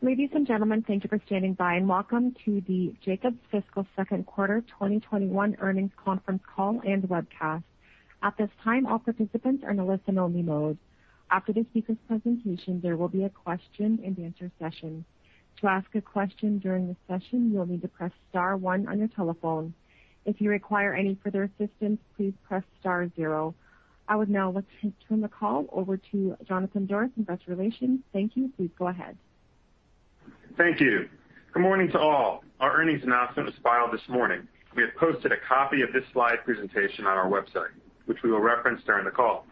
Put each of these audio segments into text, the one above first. Ladies and gentlemen, thank you for standing by. Welcome to the Jacobs Fiscal Second Quarter 2021 Earnings Conference Call and Webcast. At this time, all participants are in listen only mode. After the speakers' presentation, there will be a question and answer session. To ask a question during the session, you need to press star one on your telephone. If you require any further assistance, please press star zero. I would now like to turn the call over to Jonathan Doros, Investor Relations. Thank you. Please go ahead. Thank you. Good morning to all. Our earnings announcement was filed this morning. We have posted a copy of this slide presentation on our website, which we will reference during the call.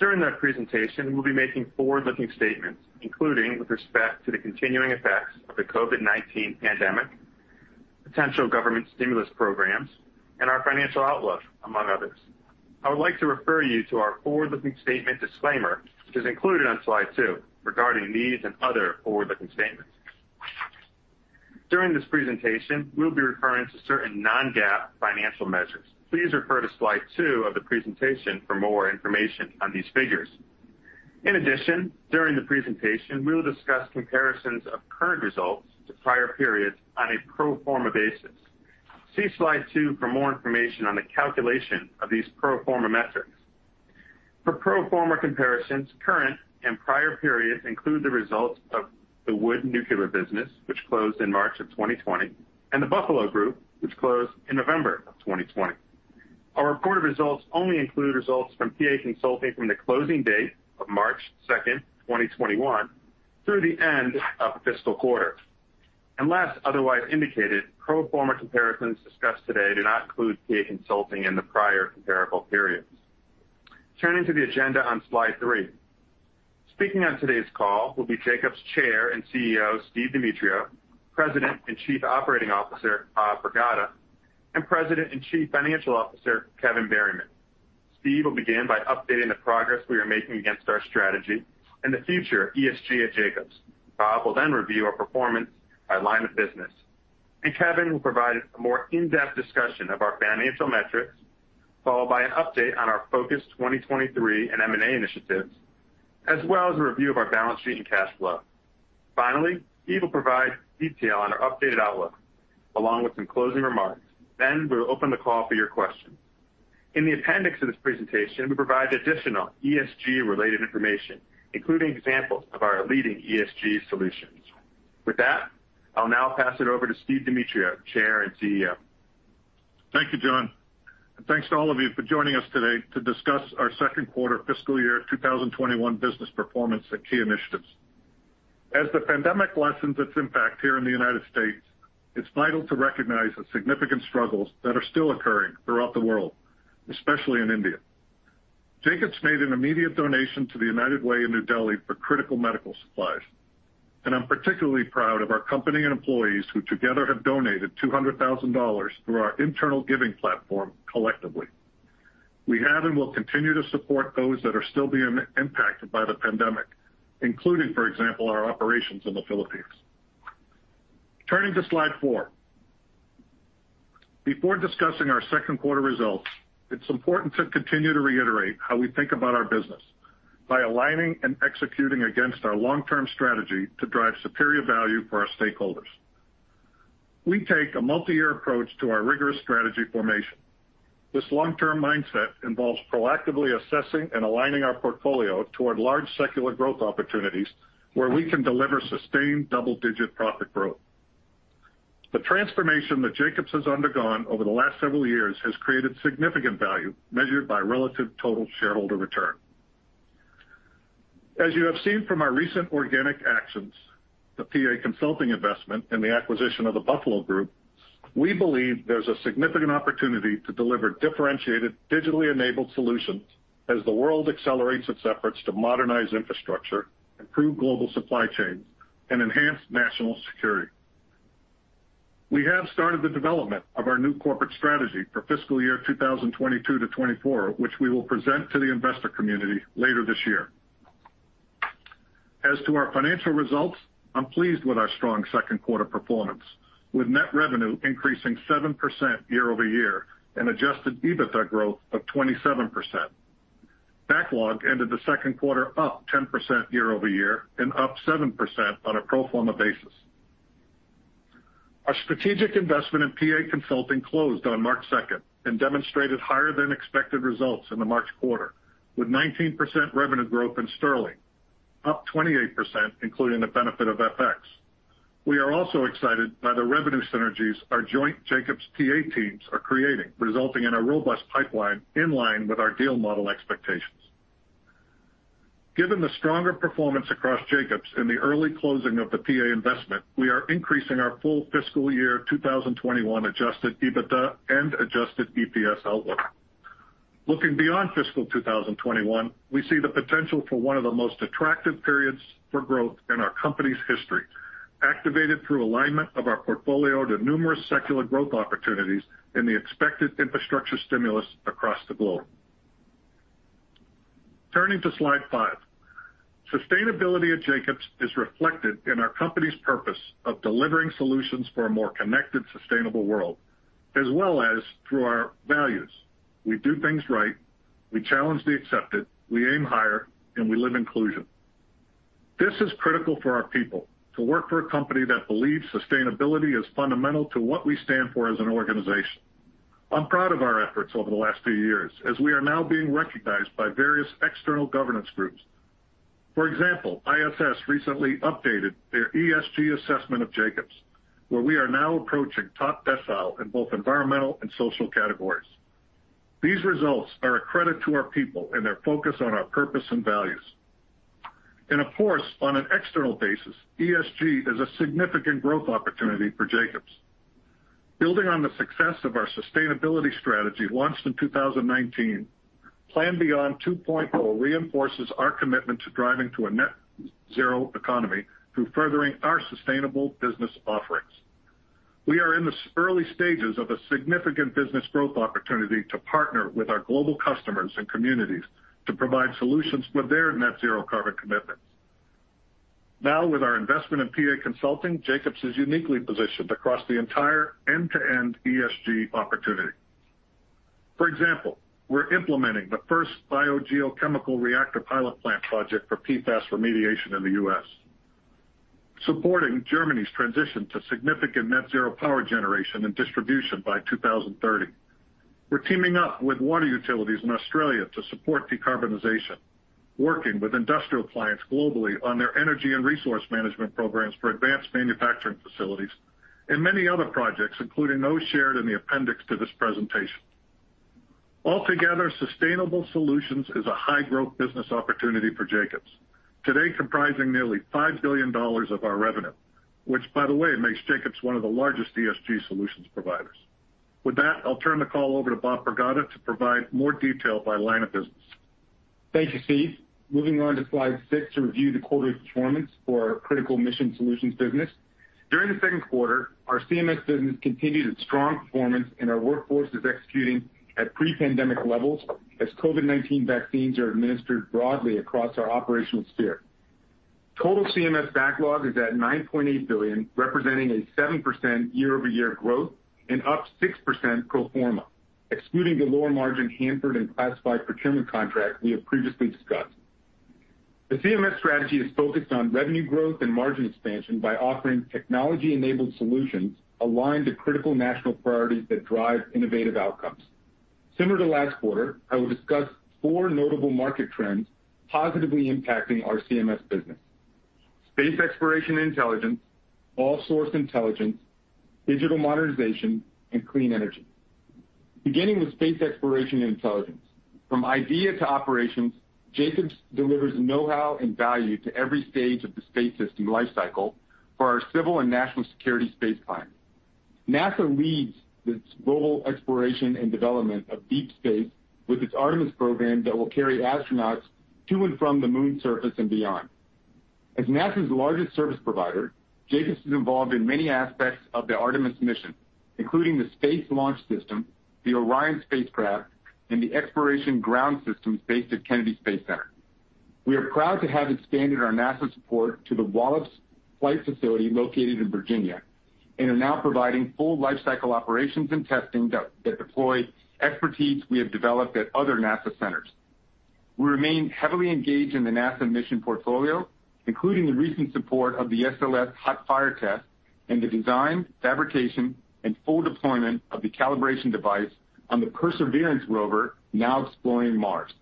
During that presentation, we will be making forward-looking statements, including with respect to the continuing effects of the COVID-19 pandemic, potential government stimulus programs, and our financial outlook, among others. I would like to refer you to our forward-looking statement disclaimer, which is included on slide two, regarding these and other forward-looking statements. During this presentation, we will be referring to certain non-GAAP financial measures. Please refer to slide two of the presentation for more information on these figures. In addition, during the presentation, we will discuss comparisons of current results to prior periods on a pro forma basis. See slide two for more information on the calculation of these pro forma metrics. For pro forma comparisons, current and prior periods include the results of the Wood Nuclear business, which closed in March of 2020, and The Buffalo Group, which closed in November of 2020. Our reported results only include results from PA Consulting from the closing date of March 2nd, 2021, through the end of the fiscal quarter. Unless otherwise indicated, pro forma comparisons discussed today do not include PA Consulting in the prior comparable periods. Turning to the agenda on slide three. Speaking on today's call will be Jacobs' Chair and CEO, Steve Demetriou, President and Chief Operating Officer, Bob Pragada, and President and Chief Financial Officer, Kevin Berryman. Steve will begin by updating the progress we are making against our strategy and the future ESG at Jacobs. Bob will then review our performance by line of business. Kevin will provide a more in-depth discussion of our financial metrics, followed by an update on our Focus 2023 and M&A initiatives, as well as a review of our balance sheet and cash flow. Finally, Steve will provide detail on our updated outlook, along with some closing remarks. We'll open the call for your questions. In the appendix of this presentation, we provide additional ESG-related information, including examples of our leading ESG solutions. With that, I'll now pass it over to Steve Demetriou, Chair and CEO. Thank you, John. Thanks to all of you for joining us today to discuss our second quarter fiscal year 2021 business performance and key initiatives. As the pandemic lessens its impact here in the United States, it's vital to recognize the significant struggles that are still occurring throughout the world, especially in India. Jacobs made an immediate donation to the United Way in New Delhi for critical medical supplies, and I'm particularly proud of our company and employees who together have donated $200,000 through our internal giving platform collectively. We have and will continue to support those that are still being impacted by the pandemic, including, for example, our operations in the Philippines. Turning to slide four. Before discussing our second quarter results, it's important to continue to reiterate how we think about our business by aligning and executing against our long-term strategy to drive superior value for our stakeholders. We take a multi-year approach to our rigorous strategy formation. This long-term mindset involves proactively assessing and aligning our portfolio toward large secular growth opportunities where we can deliver sustained double-digit profit growth. The transformation that Jacobs has undergone over the last several years has created significant value measured by relative total shareholder return. As you have seen from our recent organic actions, the PA Consulting investment and the acquisition of The Buffalo Group, we believe there's a significant opportunity to deliver differentiated, digitally enabled solutions as the world accelerates its efforts to modernize infrastructure, improve global supply chains, and enhance national security. We have started the development of our new corporate strategy for fiscal year 2022 to 2024, which we will present to the investor community later this year. As to our financial results, I'm pleased with our strong second quarter performance, with net revenue increasing 7% year-over-year and adjusted EBITDA growth of 27%. Backlog ended the second quarter up 10% year-over-year and up 7% on a pro forma basis. Our strategic investment in PA Consulting closed on March 2nd and demonstrated higher than expected results in the March quarter, with 19% revenue growth GBP, up 28% including the benefit of FX. We are also excited by the revenue synergies our joint Jacobs PA teams are creating, resulting in a robust pipeline in line with our deal model expectations. Given the stronger performance across Jacobs and the early closing of the PA investment, we are increasing our full fiscal year 2021 adjusted EBITDA and adjusted EPS outlook. Looking beyond fiscal 2021, we see the potential for one of the most attractive periods for growth in our company's history, activated through alignment of our portfolio to numerous secular growth opportunities and the expected infrastructure stimulus across the globe. Turning to slide five. Sustainability at Jacobs is reflected in our company's purpose of delivering solutions for a more connected, sustainable world. As well as through our values. We do things right, we challenge the accepted, we aim higher, and we live inclusion. This is critical for our people to work for a company that believes sustainability is fundamental to what we stand for as an organization. I'm proud of our efforts over the last few years, as we are now being recognized by various external governance groups. For example, ISS recently updated their ESG assessment of Jacobs, where we are now approaching top decile in both environmental and social categories. These results are a credit to our people and their focus on our purpose and values. Of course, on an external basis, ESG is a significant growth opportunity for Jacobs. Building on the success of our sustainability strategy launched in 2019, PlanBeyond 2.0 reinforces our commitment to driving to a net zero economy through furthering our sustainable business offerings. We are in the early stages of a significant business growth opportunity to partner with our global customers and communities to provide solutions for their net zero carbon commitments. With our investment in PA Consulting, Jacobs is uniquely positioned across the entire end-to-end ESG opportunity. For example, we're implementing the first biogeochemical reactor pilot plant project for PFAS remediation in the U.S., supporting Germany's transition to significant net zero power generation and distribution by 2030. We're teaming up with water utilities in Australia to support decarbonization, working with industrial clients globally on their energy and resource management programs for advanced manufacturing facilities, and many other projects, including those shared in the appendix to this presentation. Altogether, sustainable solutions is a high-growth business opportunity for Jacobs, today comprising nearly $5 billion of our revenue, which, by the way, makes Jacobs one of the largest ESG solutions providers. With that, I'll turn the call over to Bob Pragada to provide more detail by line of business. Thank you, Steve. Moving on to slide six to review the quarter's performance for our Critical Mission Solutions business. During the second quarter, our CMS business continued its strong performance, and our workforce is executing at pre-pandemic levels as COVID-19 vaccines are administered broadly across our operational sphere. Total CMS backlog is at $9.8 billion, representing a 7% year-over-year growth and up 6% pro forma, excluding the lower margin Hanford and classified procurement contract we have previously discussed. The CMS strategy is focused on revenue growth and margin expansion by offering technology-enabled solutions aligned to critical national priorities that drive innovative outcomes. Similar to last quarter, I will discuss four notable market trends positively impacting our CMS business, space exploration intelligence, all-source intelligence, digital modernization, and clean energy. Beginning with space exploration intelligence. From idea to operations, Jacobs delivers know-how and value to every stage of the space system lifecycle for our civil and national security space clients. NASA leads this global exploration and development of deep space with its Artemis program that will carry astronauts to and from the Moon's surface and beyond. As NASA's largest service provider, Jacobs is involved in many aspects of the Artemis mission, including the Space Launch System, the Orion spacecraft, and the Exploration Ground Systems based at Kennedy Space Center. We are proud to have expanded our NASA support to the Wallops Flight Facility located in Virginia and are now providing full lifecycle operations and testing that deploy expertise we have developed at other NASA centers. We remain heavily engaged in the NASA mission portfolio, including the recent support of the SLS hot fire test and the design, fabrication, and full deployment of the calibration device on the Perseverance rover, now exploring Mars.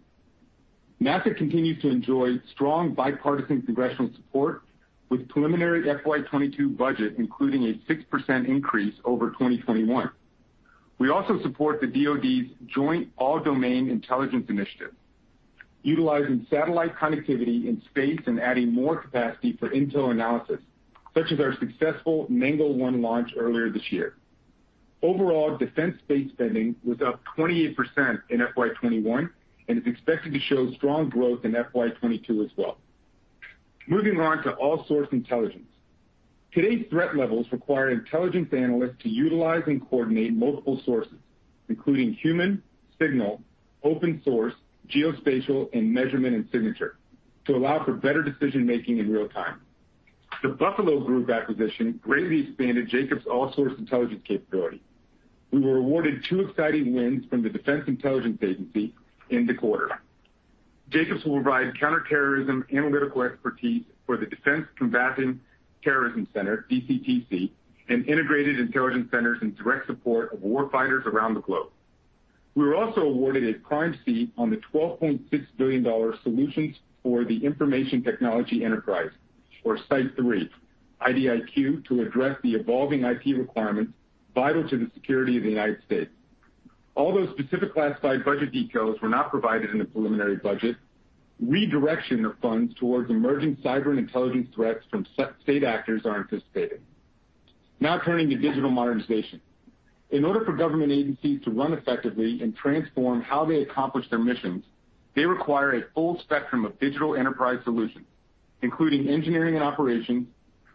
NASA continues to enjoy strong bipartisan congressional support with preliminary FY 2022 budget including a 6% increase over 2021. We also support the DOD's Joint All-Domain Intelligence Initiative, utilizing satellite connectivity in space and adding more capacity for intel analysis, such as our successful Mango One launch earlier this year. Overall, defense space spending was up 28% in FY 2021 and is expected to show strong growth in FY 2022 as well. Moving on to all-source intelligence. Today's threat levels require intelligence analysts to utilize and coordinate multiple sources, including human, signal, open source, geospatial, and measurement and signature, to allow for better decision-making in real time. The Buffalo Group acquisition greatly expanded Jacobs' all-source intelligence capability. We were awarded two exciting wins from the Defense Intelligence Agency in the quarter. Jacobs will provide counter-terrorism analytical expertise for the Defense Combating Terrorism Center, DCTC, and integrated intelligence centers in direct support of war fighters around the globe. We were also awarded a prime seat on the $12.6 billion Solutions for the Information Technology Enterprise, or SITE III IDIQ, to address the evolving IT requirements vital to the security of the United States. Although specific classified budget details were not provided in the preliminary budget, redirection of funds towards emerging cyber and intelligence threats from state actors are anticipated. Turning to digital modernization. In order for government agencies to run effectively and transform how they accomplish their missions, they require a full spectrum of digital enterprise solutions, including engineering and operations,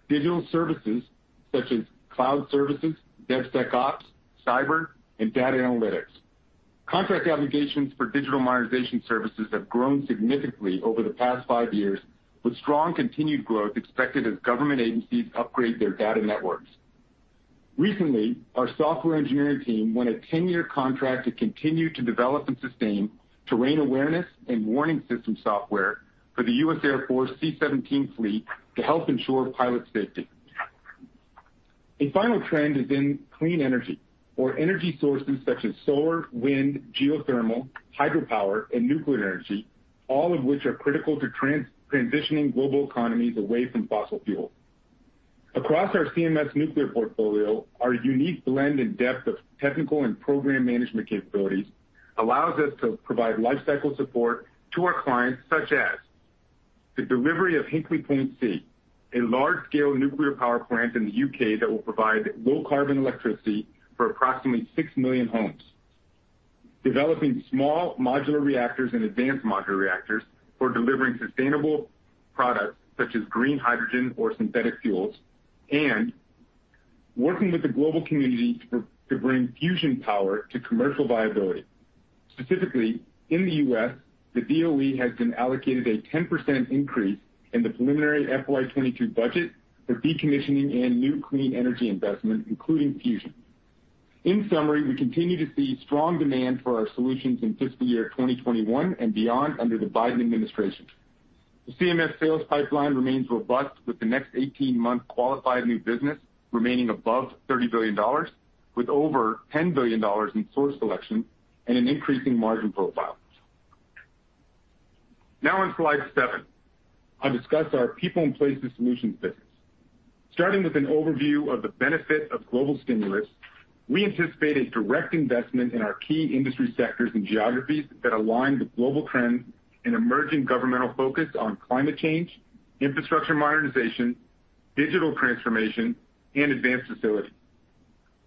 digital services such as cloud services, DevSecOps, cyber, and data analytics. Contract obligations for digital modernization services have grown significantly over the past five years, with strong continued growth expected as government agencies upgrade their data networks. Recently, our software engineering team won a 10-year contract to continue to develop and sustain terrain awareness and warning system software for the US Air Force C-17 fleet to help ensure pilot safety. A final trend is in clean energy or energy sources such as solar, wind, geothermal, hydropower, and nuclear energy, all of which are critical to transitioning global economies away from fossil fuels. Across our CMS nuclear portfolio, our unique blend and depth of technical and program management capabilities allows us to provide lifecycle support to our clients, such as the delivery of Hinkley Point C, a large-scale nuclear power plant in the U.K. that will provide low-carbon electricity for approximately 6 million homes. Developing small modular reactors and advanced modular reactors for delivering sustainable products such as green hydrogen or synthetic fuels, and working with the global community to bring fusion power to commercial viability. Specifically, in the U.S., the DOE has been allocated a 10% increase in the preliminary FY 2022 budget for decommissioning and new clean energy investments, including fusion. In summary, we continue to see strong demand for our solutions in fiscal year 2021 and beyond under the Biden administration. The CMS sales pipeline remains robust with the next 18-month qualified new business remaining above $30 billion, with over $10 billion in source selection and an increasing margin profile. On slide seven, I'll discuss our People & Places Solutions business. Starting with an overview of the benefit of global stimulus, we anticipate a direct investment in our key industry sectors and geographies that align with global trends and emerging governmental focus on climate change, infrastructure modernization, digital transformation, and advanced facilities.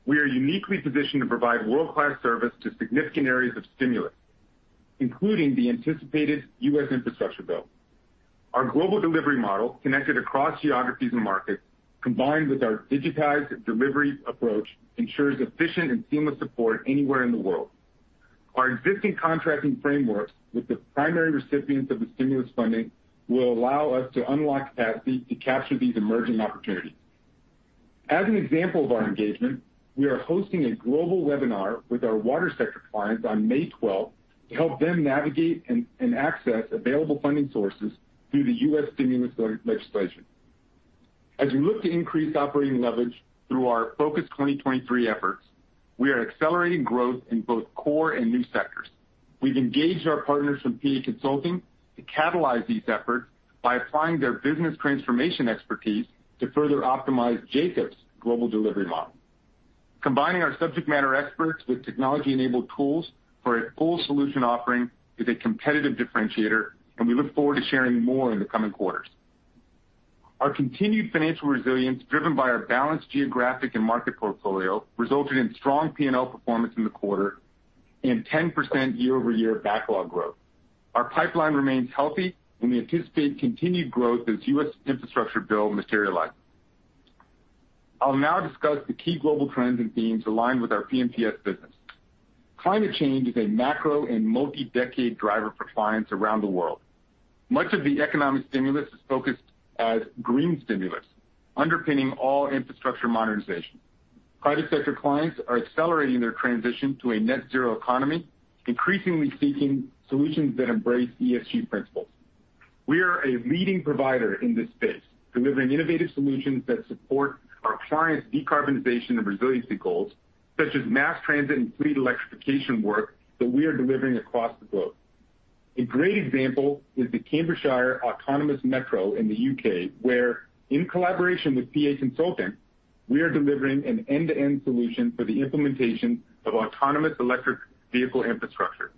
We are uniquely positioned to provide world-class service to significant areas of stimulus, including the anticipated U.S. Infrastructure Bill. Our global delivery model, connected across geographies and markets, combined with our digitized delivery approach, ensures efficient and seamless support anywhere in the world. Our existing contracting frameworks with the primary recipients of the stimulus funding will allow us to unlock capacity to capture these emerging opportunities. As an example of our engagement, we are hosting a global webinar with our water sector clients on May 12th to help them navigate and access available funding sources through the U.S. stimulus legislation. As we look to increase operating leverage through our Focus 2023 efforts, we are accelerating growth in both core and new sectors. We've engaged our partners from PA Consulting to catalyze these efforts by applying their business transformation expertise to further optimize Jacobs' global delivery model. Combining our subject matter experts with technology-enabled tools for a full solution offering is a competitive differentiator, and we look forward to sharing more in the coming quarters. Our continued financial resilience, driven by our balanced geographic and market portfolio, resulted in strong P&L performance in the quarter and 10% year-over-year backlog growth. Our pipeline remains healthy. We anticipate continued growth as U.S. Infrastructure Bill materializes. I'll now discuss the key global trends and themes aligned with our P&PS business. Climate change is a macro and multi-decade driver for clients around the world. Much of the economic stimulus is focused as green stimulus, underpinning all infrastructure modernization. Private sector clients are accelerating their transition to a net zero economy, increasingly seeking solutions that embrace ESG principles. We are a leading provider in this space, delivering innovative solutions that support our clients' decarbonization and resiliency goals, such as mass transit and fleet electrification work that we are delivering across the globe. A great example is the Cambridgeshire Autonomous Metro in the U.K., where in collaboration with PA Consulting, we are delivering an end-to-end solution for the implementation of autonomous electric vehicle infrastructure.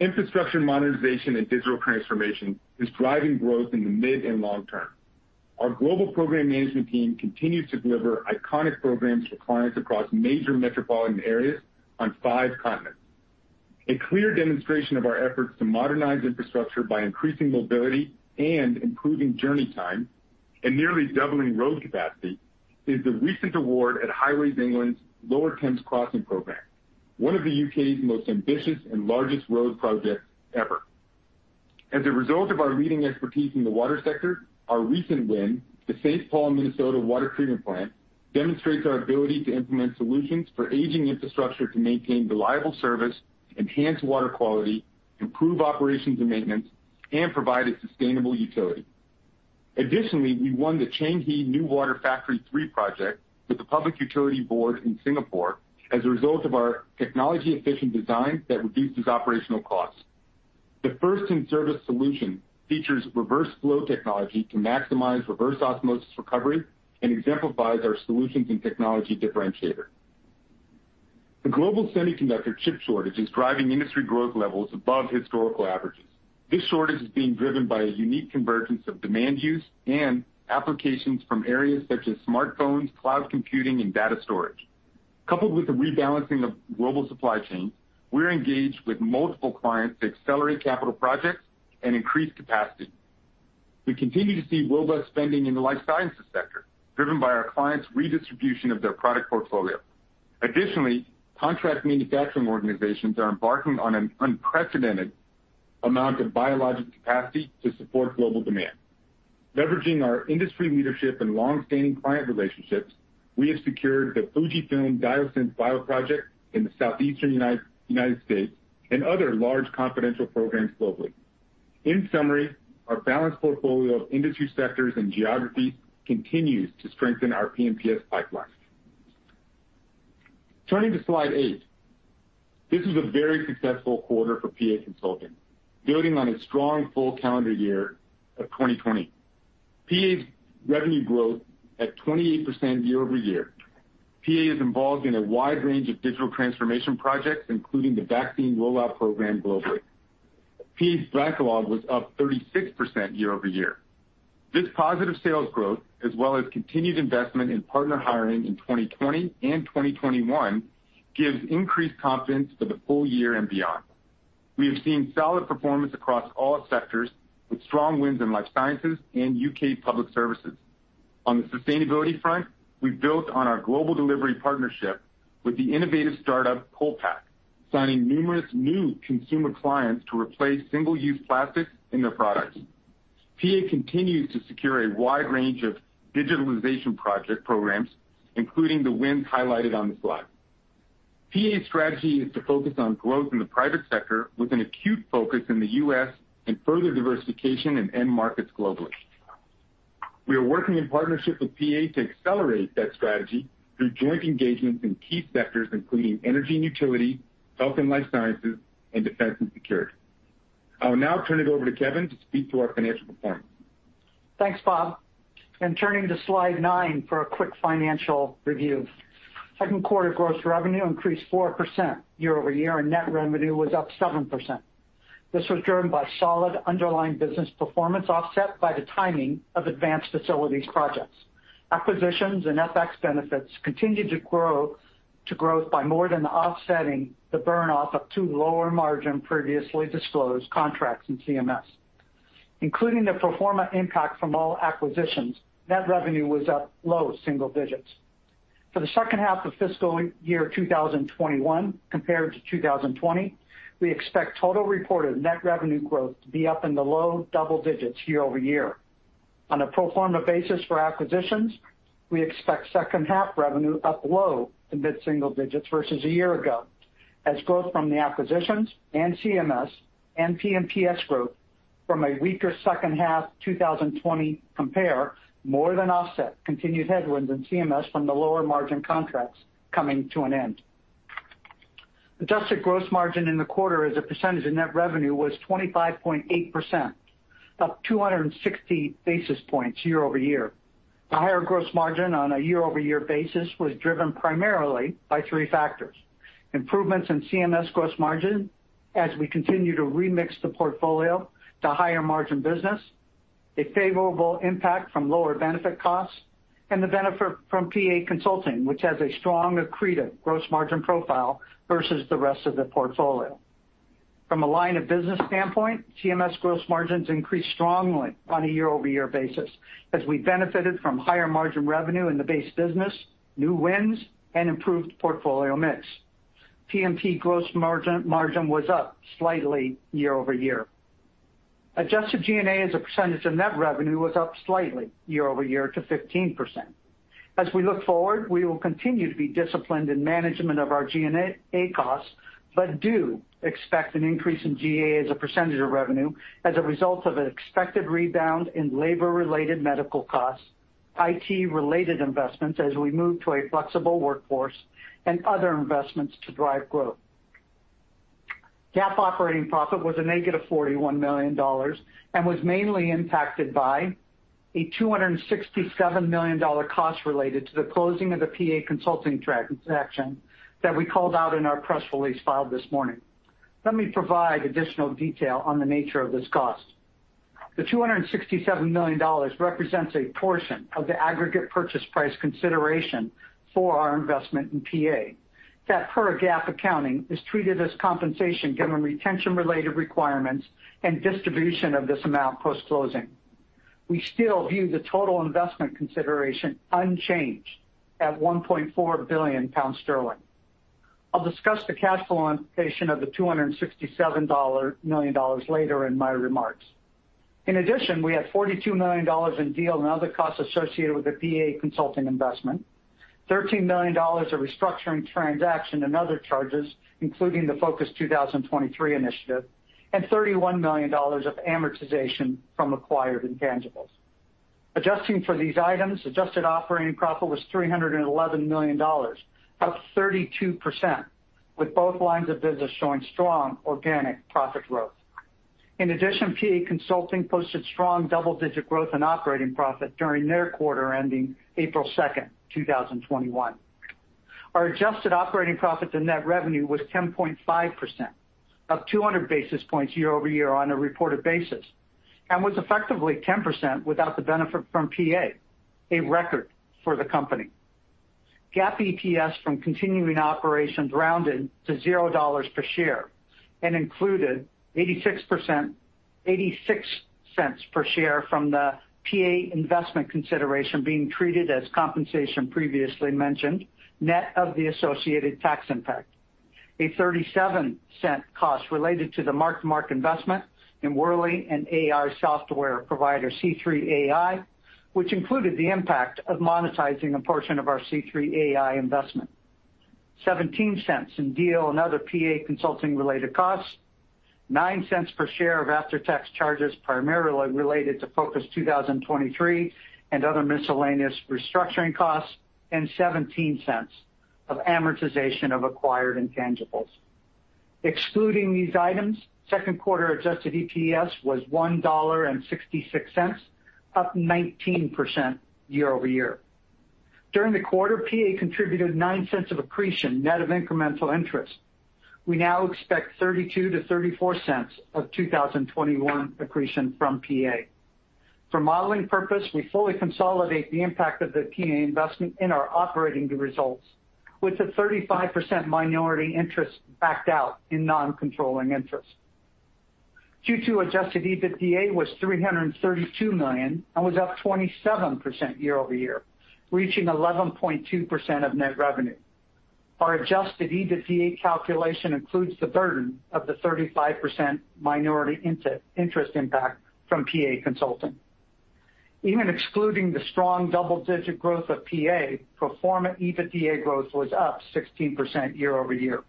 Infrastructure modernization and digital transformation is driving growth in the mid and long term. Our global program management team continues to deliver iconic programs for clients across major metropolitan areas on five continents. A clear demonstration of our efforts to modernize infrastructure by increasing mobility and improving journey time and nearly doubling road capacity is the recent award at Highways England's Lower Thames Crossing Program, one of the U.K.'s most ambitious and largest road projects ever. As a result of our leading expertise in the water sector, our recent win, the St. Paul Minnesota Water Treatment Plant, demonstrates our ability to implement solutions for aging infrastructure to maintain reliable service, enhance water quality, improve operations and maintenance, and provide a sustainable utility. We won the Changi NEWater Factory 3 project with the Public Utilities Board in Singapore as a result of our technology-efficient design that reduces operational costs. The first in-service solution features reverse flow technology to maximize reverse osmosis recovery and exemplifies our solutions and technology differentiator. The global semiconductor chip shortage is driving industry growth levels above historical averages. This shortage is being driven by a unique convergence of demand use and applications from areas such as smartphones, cloud computing, and data storage. Coupled with the rebalancing of global supply chains, we're engaged with multiple clients to accelerate capital projects and increase capacity. We continue to see robust spending in the life sciences sector, driven by our clients' redistribution of their product portfolio. Additionally, contract manufacturing organizations are embarking on an unprecedented amount of biologic capacity to support global demand. Leveraging our industry leadership and longstanding client relationships, we have secured the FUJIFILM Diosynth Bioproject in the Southeastern U.S. and other large confidential programs globally. In summary, our balanced portfolio of industry sectors and geographies continues to strengthen our P&PS pipeline. Turning to slide eight. This was a very successful quarter for PA Consulting, building on a strong full calendar year of 2020. PA's revenue growth at 28% year-over-year. PA is involved in a wide range of digital transformation projects, including the vaccine rollout program globally. PA's backlog was up 36% year-over-year. This positive sales growth, as well as continued investment in partner hiring in 2020 and 2021, gives increased confidence for the full year and beyond. We have seen solid performance across all sectors, with strong wins in life sciences and U.K. public services. On the sustainability front, we've built on our global delivery partnership with the innovative startup PulPac, signing numerous new consumer clients to replace single-use plastic in their products. PA continues to secure a wide range of digitalization project programs, including the wins highlighted on the slide. PA's strategy is to focus on growth in the private sector with an acute focus in the U.S. and further diversification in end markets globally. We are working in partnership with PA to accelerate that strategy through joint engagements in key sectors including energy and utility, health and life sciences, and defense and security. I will now turn it over to Kevin to speak to our financial performance. Thanks, Bob. Turning to slide nine for a quick financial review. Second quarter gross revenue increased 4% year-over-year, and net revenue was up 7%. This was driven by solid underlying business performance, offset by the timing of advanced facilities projects. Acquisitions and FX benefits continued to grow by more than offsetting the burn-off of two lower-margin previously disclosed contracts in CMS. Including the pro forma impact from all acquisitions, net revenue was up low single digits. For the second half of fiscal year 2021 compared to 2020, we expect total reported net revenue growth to be up in the low double digits year-over-year. On a pro forma basis for acquisitions, we expect second half revenue up low- to mid-single digits versus a year ago, as growth from the acquisitions in CMS and P&PS growth from a weaker second half 2020 compare more than offset continued headwinds in CMS from the lower margin contracts coming to an end. Adjusted gross margin in the quarter as a percentage of net revenue was 25.8%, up 260 basis points year-over-year. The higher gross margin on a year-over-year basis was driven primarily by three factors. Improvements in CMS gross margin as we continue to remix the portfolio to higher margin business, a favorable impact from lower benefit costs, and the benefit from PA Consulting, which has a strong accretive gross margin profile versus the rest of the portfolio. From a line of business standpoint, CMS gross margins increased strongly on a year-over-year basis as we benefited from higher margin revenue in the base business, new wins, and improved portfolio mix. P&PS gross margin was up slightly year-over-year. Adjusted G&A as a percentage of net revenue was up slightly year-over-year to 15%. As we look forward, we will continue to be disciplined in management of our G&A costs, but do expect an increase in G&A as a percentage of revenue as a result of an expected rebound in labor-related medical costs, IT-related investments as we move to a flexible workforce, and other investments to drive growth. GAAP operating profit was a -$41 million and was mainly impacted by a $267 million cost related to the closing of the PA Consulting transaction that we called out in our press release filed this morning. Let me provide additional detail on the nature of this cost. The $267 million represents a portion of the aggregate purchase price consideration for our investment in PA. That, per GAAP accounting, is treated as compensation given retention-related requirements and distribution of this amount post-closing. We still view the total investment consideration unchanged at 1.4 billion pounds. I'll discuss the cash flow implication of the $267 million later in my remarks. In addition, we had $42 million in deal and other costs associated with the PA Consulting investment, $13 million of restructuring transaction and other charges, including the Focus 2023 initiative, and $31 million of amortization from acquired intangibles. Adjusting for these items, adjusted operating profit was $311 million, up 32%, with both lines of business showing strong organic profit growth. In addition, PA Consulting posted strong double-digit growth in operating profit during their quarter ending April 2nd, 2021. Our adjusted operating profit to net revenue was 10.5%, up 200 basis points year-over-year on a reported basis, and was effectively 10% without the benefit from PA, a record for the company. GAAP EPS from continuing operations rounded to $0.00 per share and included $0.86 per share from the PA investment consideration being treated as compensation previously mentioned, net of the associated tax impact. A $0.37 cost related to the mark-to-market investment in Worley and AI software provider C3.ai, which included the impact of monetizing a portion of our C3.ai investment. $0.17 in deal and other PA Consulting-related costs, $0.09 per share of after-tax charges primarily related to Focus 2023 and other miscellaneous restructuring costs, and $0.17 of amortization of acquired intangibles. Excluding these items, second quarter adjusted EPS was $1.66, up 19% year-over-year. During the quarter, PA contributed $0.09 of accretion, net of incremental interest. We now expect $0.32-$0.34 of 2021 accretion from PA. For modeling purpose, we fully consolidate the impact of the PA investment in our operating results, with a 35% minority interest backed out in non-controlling interest. Q2 adjusted EBITDA was $332 million and was up 27% year-over-year, reaching 11.2% of net revenue. Our adjusted EBITDA calculation includes the burden of the 35% minority interest impact from PA Consulting. Even excluding the strong double-digit growth of PA, pro forma EBITDA growth was up 16% year-over-year.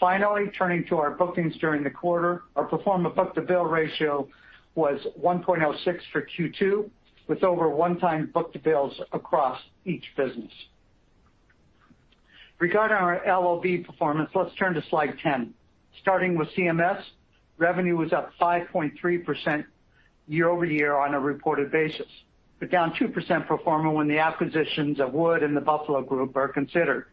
Turning to our bookings during the quarter, our pro forma book-to-bill ratio was 1.06x for Q2, with over one-time book to bills across each business. Regarding our LOB performance, let's turn to slide 10. Starting with CMS, revenue was up 5.3% year-over-year on a reported basis, but down 2% pro forma when the acquisitions of Wood Nuclear and The Buffalo Group are considered.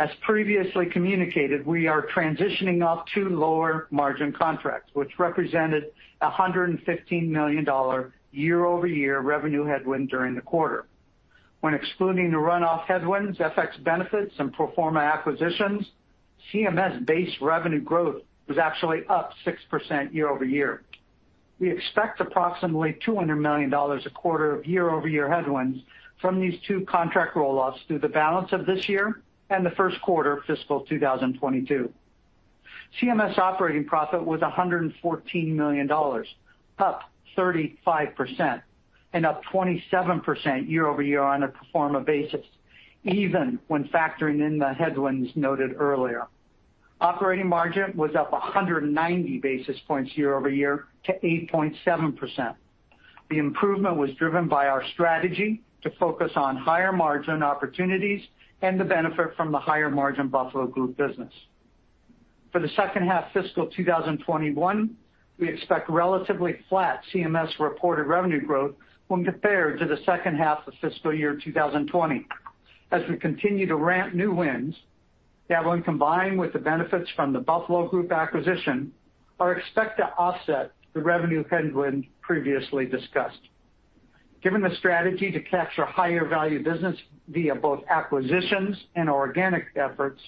As previously communicated, we are transitioning off two lower margin contracts, which represented $115 million year-over-year revenue headwind during the quarter. When excluding the runoff headwinds, FX benefits, and pro forma acquisitions, CMS base revenue growth was actually up 6% year-over-year. We expect approximately $200 million a quarter of year-over-year headwinds from these two contract roll-offs through the balance of this year and the first quarter of fiscal 2022. CMS operating profit was $114 million, up 35%, and up 27% year-over-year on a pro forma basis, even when factoring in the headwinds noted earlier. Operating margin was up 190 basis points year-over-year to 8.7%. The improvement was driven by our strategy to focus on higher margin opportunities and the benefit from the higher margin The Buffalo Group business. For the second half fiscal 2021, we expect relatively flat CMS reported revenue growth when compared to the second half of fiscal year 2020. We continue to ramp new wins, that when combined with the benefits from The Buffalo Group acquisition, are expected to offset the revenue headwind previously discussed. Given the strategy to capture higher value business via both acquisitions and organic efforts,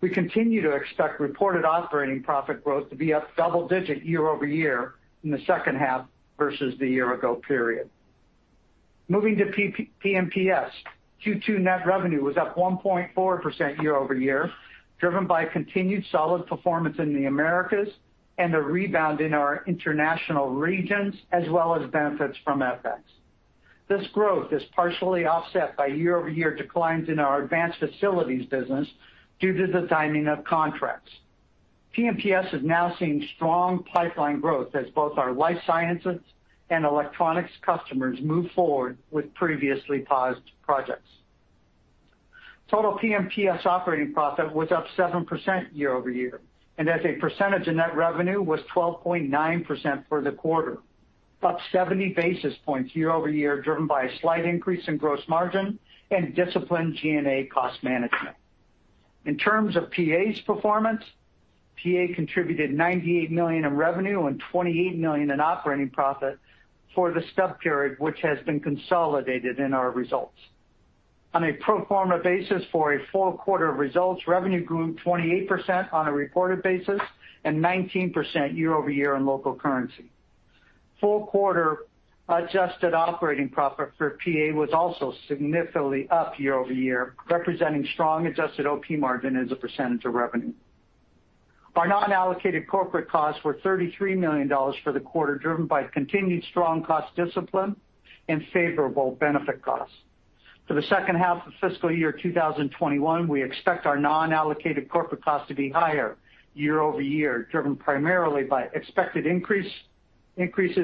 we continue to expect reported operating profit growth to be up double-digit year-over-year in the second half versus the year ago period. Moving to P&PS. Q2 net revenue was up 1.4% year-over-year, driven by continued solid performance in the Americas and a rebound in our international regions, as well as benefits from FX. This growth is partially offset by year-over-year declines in our advanced facilities business due to the timing of contracts. P&PS is now seeing strong pipeline growth as both our life sciences and electronics customers move forward with previously paused projects. Total P&PS operating profit was up 7% year-over-year, and as a percentage of net revenue was 12.9% for the quarter. Up 70 basis points year-over-year, driven by a slight increase in gross margin and disciplined G&A cost management. In terms of PA's performance, PA contributed $98 million in revenue and $28 million in operating profit for the stub period, which has been consolidated in our results. On a pro forma basis for a full quarter of results, revenue grew 28% on a reported basis and 19% year-over-year in local currency. Full quarter adjusted operating profit for PA was also significantly up year-over-year, representing strong adjusted OP margin as a percentage of revenue. Our non-allocated corporate costs were $33 million for the quarter, driven by continued strong cost discipline and favorable benefit costs. For the second half of fiscal year 2021, we expect our non-allocated corporate costs to be higher year-over-year, driven primarily by expected increases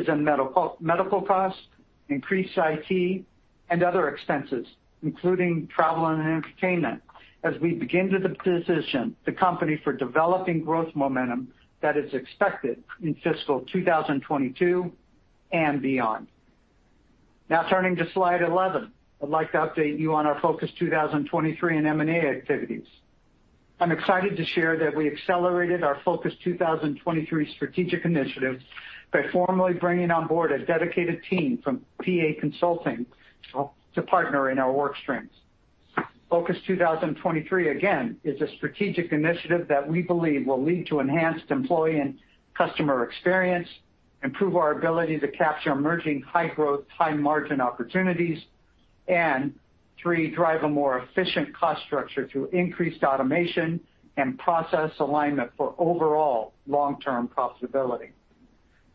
in medical costs, increased IT, and other expenses, including travel and entertainment, as we begin to position the company for developing growth momentum that is expected in fiscal 2022 and beyond. Turning to slide 11. I'd like to update you on our Focus 2023 and M&A activities. I'm excited to share that we accelerated our Focus 2023 strategic initiative by formally bringing on board a dedicated team from PA Consulting to partner in our workstreams. Focus 2023, again, is a strategic initiative that we believe will lead to enhanced employee and customer experience, improve our ability to capture emerging high-growth, high-margin opportunities, and three, drive a more efficient cost structure through increased automation and process alignment for overall long-term profitability.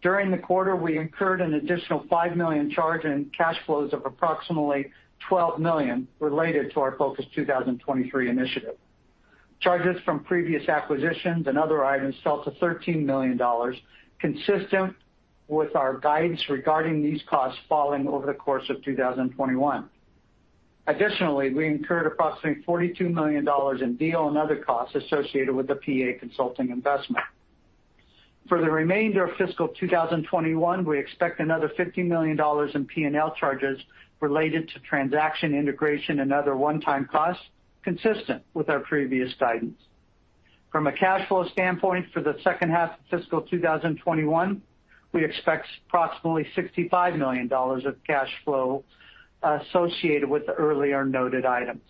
During the quarter, we incurred an additional $5 million charge in cash flows of approximately $12 million related to our Focus 2023 initiative. Charges from previous acquisitions and other items fell to $13 million, consistent with our guidance regarding these costs falling over the course of 2021. We incurred approximately $42 million in deal and other costs associated with the PA Consulting investment. For the remainder of fiscal 2021, we expect another $50 million in P&L charges related to transaction integration and other one-time costs consistent with our previous guidance. From a cash flow standpoint for the second half of fiscal 2021, we expect approximately $65 million of cash flow associated with the earlier noted items.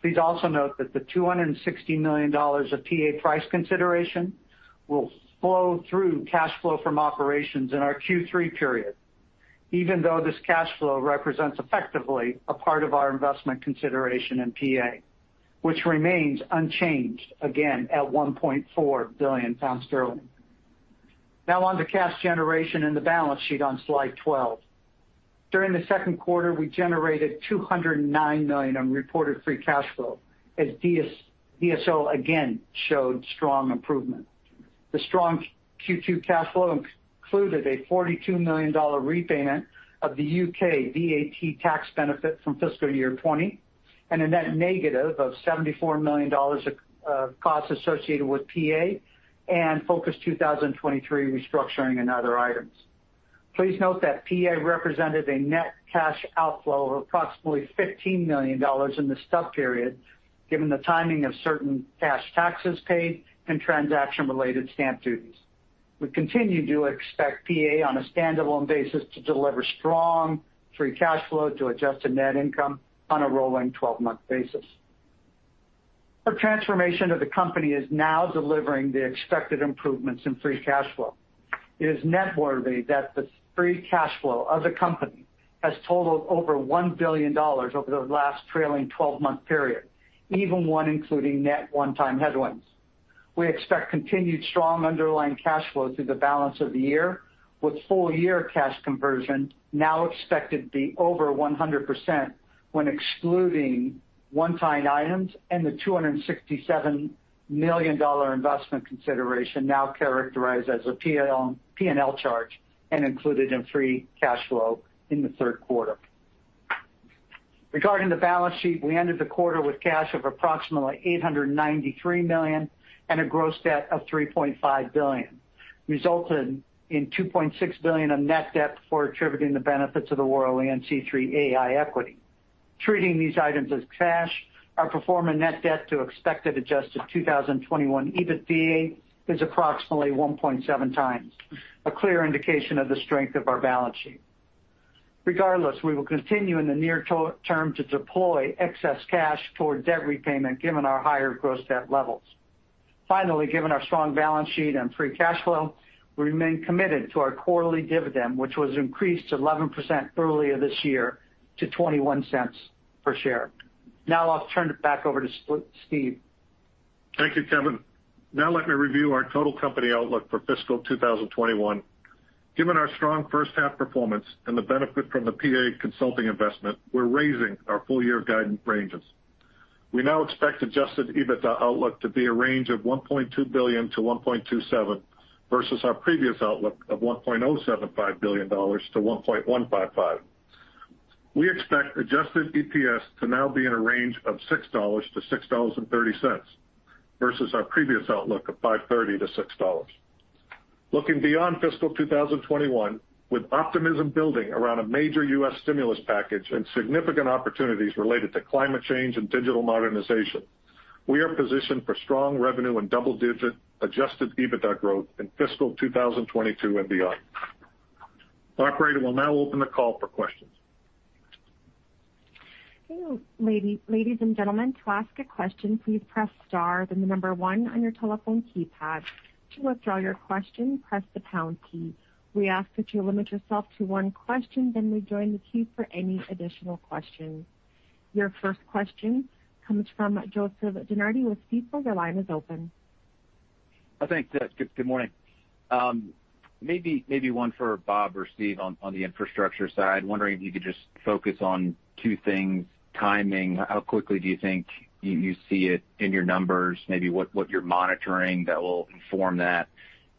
Please also note that the $260 million of PA price consideration will flow through cash flow from operations in our Q3 period, even though this cash flow represents effectively a part of our investment consideration in PA, which remains unchanged again at 1.4 billion pounds. On to cash generation and the balance sheet on slide 12. During the second quarter, we generated $209 million on reported free cash flow as DSO again showed strong improvement. The strong Q2 cash flow included a $42 million repayment of the UK VAT tax benefit from fiscal year 2020, and a net negative of $74 million of costs associated with PA and Focus 2023 restructuring and other items. Please note that PA represented a net cash outflow of approximately $15 million in the stub period, given the timing of certain cash taxes paid and transaction-related stamp duties. We continue to expect PA on a standalone basis to deliver strong free cash flow to adjusted net income on a rolling 12-month basis. Our transformation of the company is now delivering the expected improvements in free cash flow. It is noteworthy that the free cash flow of the company has totaled over $1 billion over the last trailing 12-month period, even when including net one-time headwinds. We expect continued strong underlying cash flow through the balance of the year, with full-year cash conversion now expected to be over 100% when excluding one-time items and the $267 million investment consideration now characterized as a P&L charge and included in free cash flow in the third quarter. Regarding the balance sheet, we ended the quarter with cash of approximately $893 million and a gross debt of $3.5 billion, resulting in $2.6 billion of net debt before attributing the benefits of the Worley and C3.ai equity. Treating these items as cash, our pro forma net debt to expected adjusted 2021 EBITDA is approximately 1.7x, a clear indication of the strength of our balance sheet. We will continue in the near term to deploy excess cash toward debt repayment given our higher gross debt levels. Given our strong balance sheet and free cash flow, we remain committed to our quarterly dividend, which was increased 11% earlier this year to $0.21 per share. I'll turn it back over to Steve. Thank you, Kevin. Let me review our total company outlook for fiscal 2021. Given our strong first-half performance and the benefit from the PA Consulting investment, we're raising our full-year guidance ranges. We expect adjusted EBITDA outlook to be a range of $1.2 billion-$1.27 billion versus our previous outlook of $1.075 billion-$1.155 billion. We expect adjusted EPS to now be in a range of $6-$6.30 versus our previous outlook of $5.30-$6. Looking beyond fiscal 2021, with optimism building around a major U.S. stimulus package and significant opportunities related to climate change and digital modernization, we are positioned for strong revenue and double-digit adjusted EBITDA growth in fiscal 2022 and beyond. Operator, we'll now open the call for questions. Ladies and gentlemen, to ask a question, please press star then number one on your telephone keypad. To withdraw your question, press the pound key. We ask you to limit yourself to one question then rejoin the queue for any additional questions. Your first question comes from Joseph DeNardi with Stifel. Your line is open. Thanks. Good morning. Maybe one for Bob or Steve on the infrastructure side, wondering if you could just focus on two things. Timing, how quickly do you think you see it in your numbers? Maybe what you're monitoring that will inform that.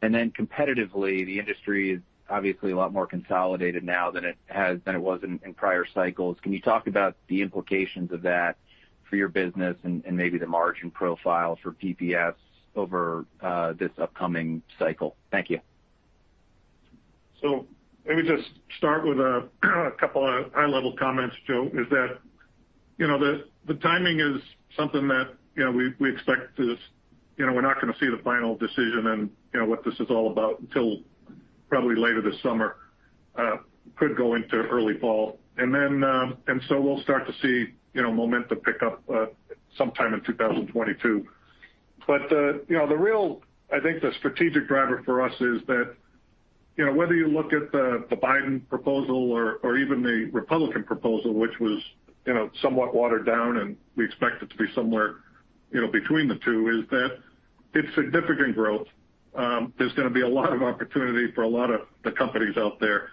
Then competitively, the industry is obviously a lot more consolidated now than it was in prior cycles. Can you talk about the implications of that for your business and maybe the margin profile for P&PS over this upcoming cycle? Thank you. Let me just start with a couple of high-level comments, Joe, is that the timing is something that We're not going to see the final decision and what this is all about until probably later this summer. Could go into early fall. We'll start to see momentum pick up sometime in 2022. The real, I think, the strategic driver for us is that, whether you look at the Biden proposal or even the Republican proposal, which was somewhat watered down, and we expect it to be somewhere between the two, is that it's significant growth. There's going to be a lot of opportunity for a lot of the companies out there.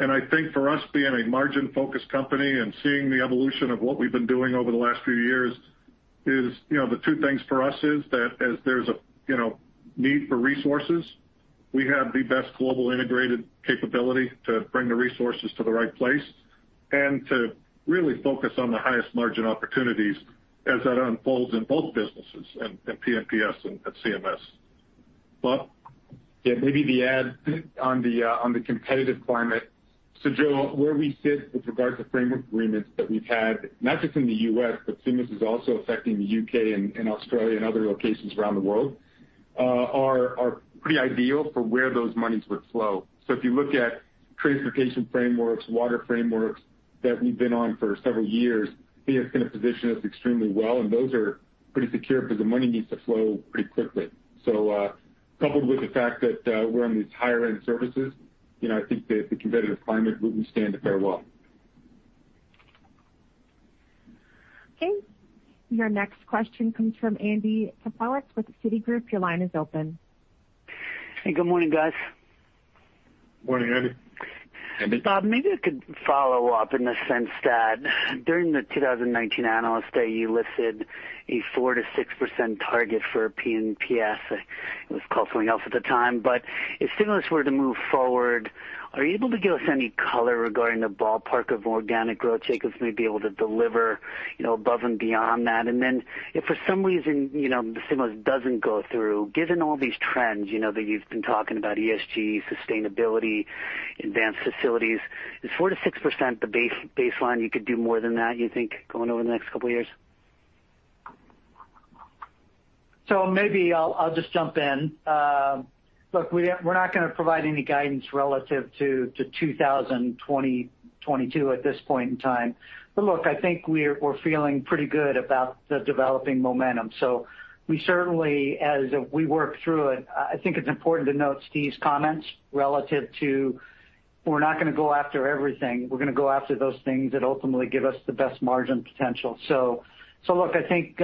I think for us, being a margin-focused company and seeing the evolution of what we've been doing over the last few years is, the two things for us is that as there's a need for resources, we have the best global integrated capability to bring the resources to the right place and to really focus on the highest margin opportunities as that unfolds in both businesses, in P&PS and at CMS. Bob? Yeah. Maybe the add on the competitive climate. Joe, where we sit with regard to framework agreements that we've had, not just in the U.S., but stimulus is also affecting the U.K. and Australia and other locations around the world, are pretty ideal for where those monies would flow. If you look at transportation frameworks, water frameworks that we've been on for several years, I think it's going to position us extremely well, and those are pretty secure because the money needs to flow pretty quickly. Coupled with the fact that we're on these higher-end services, I think that the competitive climate, we stand to fare well. Okay. Your next question comes from Andy Kaplowitz with Citigroup. Your line is open. Hey, good morning, guys. Morning, Andy. Bob, maybe I could follow up in the sense that during the 2019 Analyst Day, you listed a 4%-6% target for P&PS. It was called something else at the time. If stimulus were to move forward, are you able to give us any color regarding the ballpark of organic growth Jacobs may be able to deliver above and beyond that? If for some reason, the stimulus doesn't go through, given all these trends that you've been talking about, ESG, sustainability, advanced facilities, is 4%-6% the baseline? You could do more than that, you think, going over the next couple of years? Maybe I'll just jump in. Look, we're not going to provide any guidance relative to 2022 at this point in time. Look, I think we're feeling pretty good about the developing momentum. We certainly, as we work through it, I think it's important to note Steve's comments relative to, we're not going to go after everything. We're going to go after those things that ultimately give us the best margin potential. Look, I think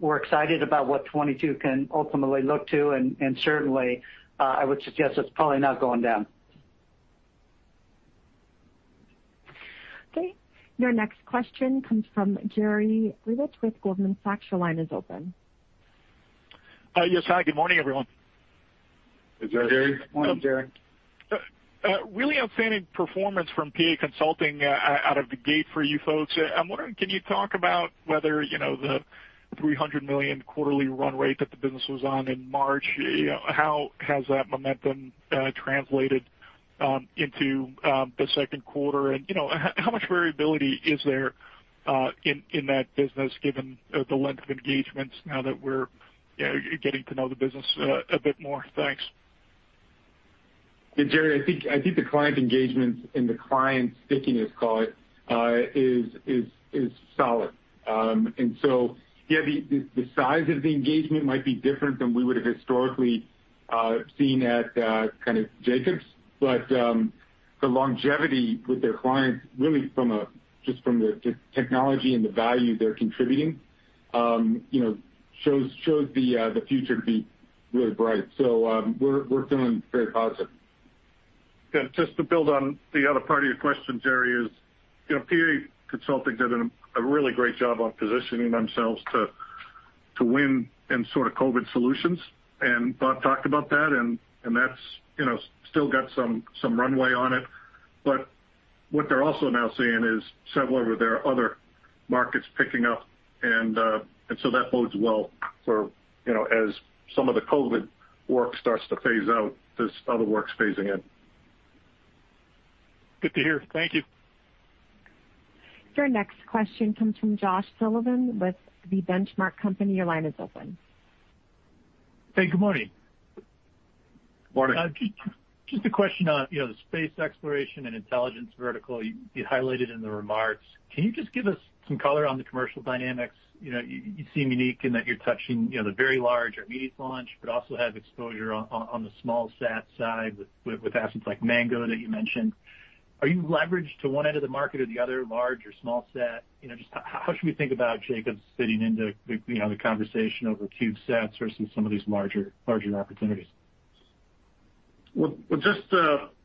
we're excited about what 2022 can ultimately look to, and certainly, I would suggest it's probably not going down. Okay. Your next question comes from Jerry Revich with Goldman Sachs. Your line is open. Yes, hi. Good morning, everyone. Hey, Jerry. Morning, Jerry. Really outstanding performance from PA Consulting out of the gate for you folks. I'm wondering, can you talk about whether the $300 million quarterly run rate that the business was on in March, how has that momentum translated into the second quarter? How much variability is there in that business given the length of engagements now that we're getting to know the business a bit more? Thanks. Yeah, Jerry, I think the client engagements and the client stickiness, call it, is solid. Yeah, the size of the engagement might be different than we would have historically seen at Jacobs. The longevity with their clients, really just from the technology and the value they're contributing shows the future to be really bright. We're feeling very positive. Yeah, just to build on the other part of your question, Jerry, is PA Consulting did a really great job on positioning themselves to win in COVID solutions, and Bob talked about that, and that's still got some runway on it. What they're also now seeing is several of their other markets picking up. That bodes well for as some of the COVID work starts to phase out, there's other work phasing in. Good to hear. Thank you. Your next question comes from Josh Sullivan with The Benchmark Company. Your line is open. Hey, good morning. Morning. Just a question on the space exploration and intelligence vertical you highlighted in the remarks. Can you just give us some color on the commercial dynamics? You seem unique in that you're touching the very large or medium launch, but also have exposure on the smallsat side with assets like Mango that you mentioned. Are you leveraged to one end of the market or the other, large or smallsat? Just how should we think about Jacobs fitting into the conversation over CubeSats versus some of these larger opportunities? Well, just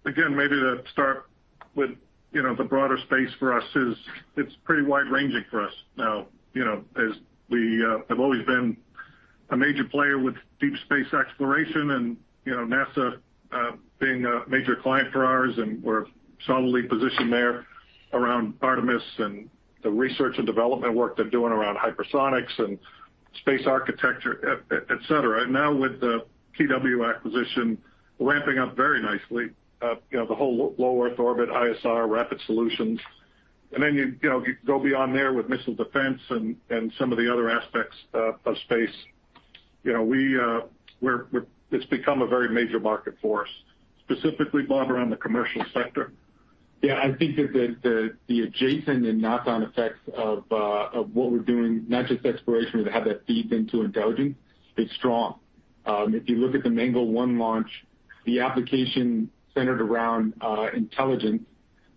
again, maybe to start with the broader space for us is it's pretty wide-ranging for us now, as we have always been a major player with deep space exploration and NASA being a major client for ours, and we're solidly positioned there around Artemis and the research and development work they're doing around hypersonics and space architecture, et cetera. With the KeyW acquisition ramping up very nicely, the whole low Earth orbit, ISR, rapid solutions. Then you go beyond there with missile defense and some of the other aspects of space. It's become a very major market for us. Specifically, Bob, around the commercial sector. Yeah, I think that the adjacent and knock-on effects of what we're doing, not just exploration, but how that feeds into intelligence, is strong. If you look at the Mango One launch, the application centered around intelligence,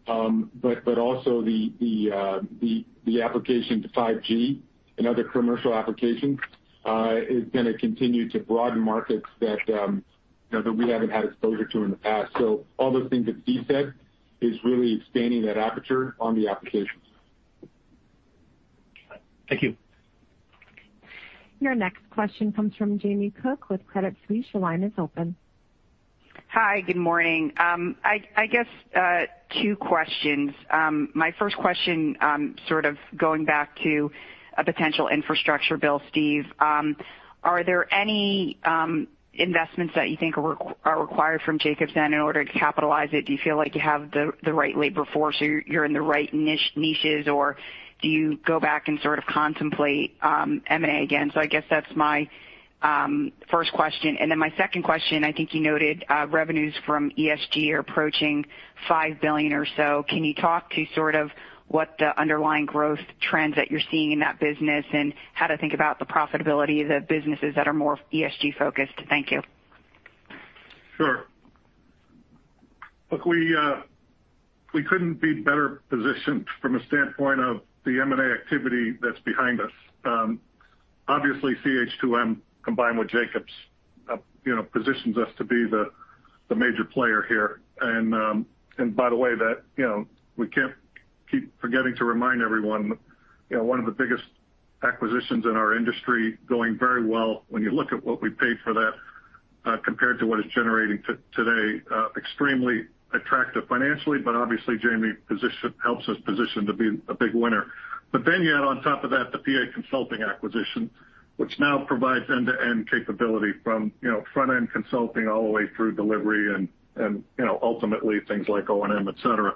but also the application to 5G and other commercial applications is going to continue to broaden markets that we haven't had exposure to in the past. All those things that Steve said is really expanding that aperture on the applications. Thank you. Your next question comes from Jamie Cook with Credit Suisse. Your line is open. Hi, good morning. I guess two questions. My first question, sort of going back to a potential infrastructure bill, Steve. Are there any investments that you think are required from Jacobs then in order to capitalize it? Do you feel like you have the right labor force or you're in the right niches, or do you go back and sort of contemplate M&A again? I guess that's my first question, and then my second question, I think you noted revenues from ESG are approaching $5 billion or so. Can you talk to sort of what the underlying growth trends that you're seeing in that business and how to think about the profitability of the businesses that are more ESG-focused? Thank you. Sure. Look, we couldn't be better positioned from a standpoint of the M&A activity that's behind us. Obviously, CH2M combined with Jacobs positions us to be the major player here. By the way, we can't keep forgetting to remind everyone, one of the biggest acquisitions in our industry going very well. When you look at what we paid for that compared to what it's generating today, extremely attractive financially, but obviously, Jamie, helps us position to be a big winner. You add on top of that the PA Consulting acquisition, which now provides end-to-end capability from front-end consulting all the way through delivery and ultimately things like O&M, et cetera.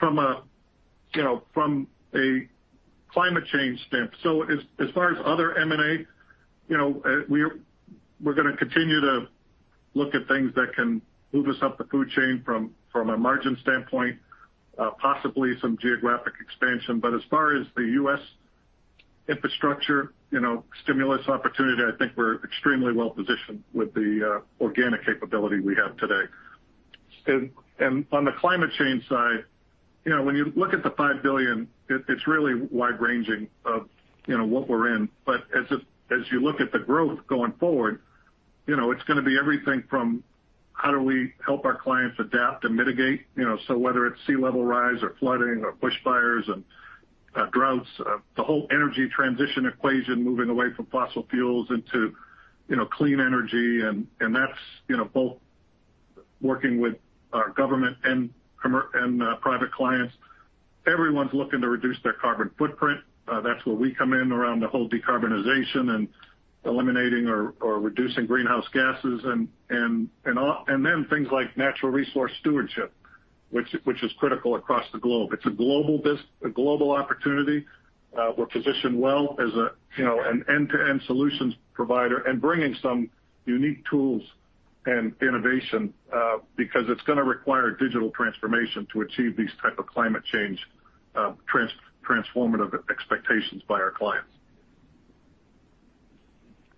From a climate change stance, so as far as other M&A, we're going to continue to look at things that can move us up the food chain from a margin standpoint, possibly some geographic expansion. As far as the U.S. infrastructure stimulus opportunity, I think we're extremely well-positioned with the organic capability we have today. On the climate change side, when you look at the $5 billion, it's really wide-ranging of what we're in. As you look at the growth going forward, it's going to be everything from how do we help our clients adapt and mitigate? Whether it's sea level rise or flooding or bushfires and droughts, the whole energy transition equation, moving away from fossil fuels into clean energy, and that's both working with our government and private clients. Everyone's looking to reduce their carbon footprint. That's where we come in around the whole decarbonization and eliminating or reducing greenhouse gases. Things like natural resource stewardship, which is critical across the globe. It's a global opportunity. We're positioned well as an end-to-end solutions provider and bringing some unique tools and innovation, because it's going to require digital transformation to achieve these type of climate change transformative expectations by our clients.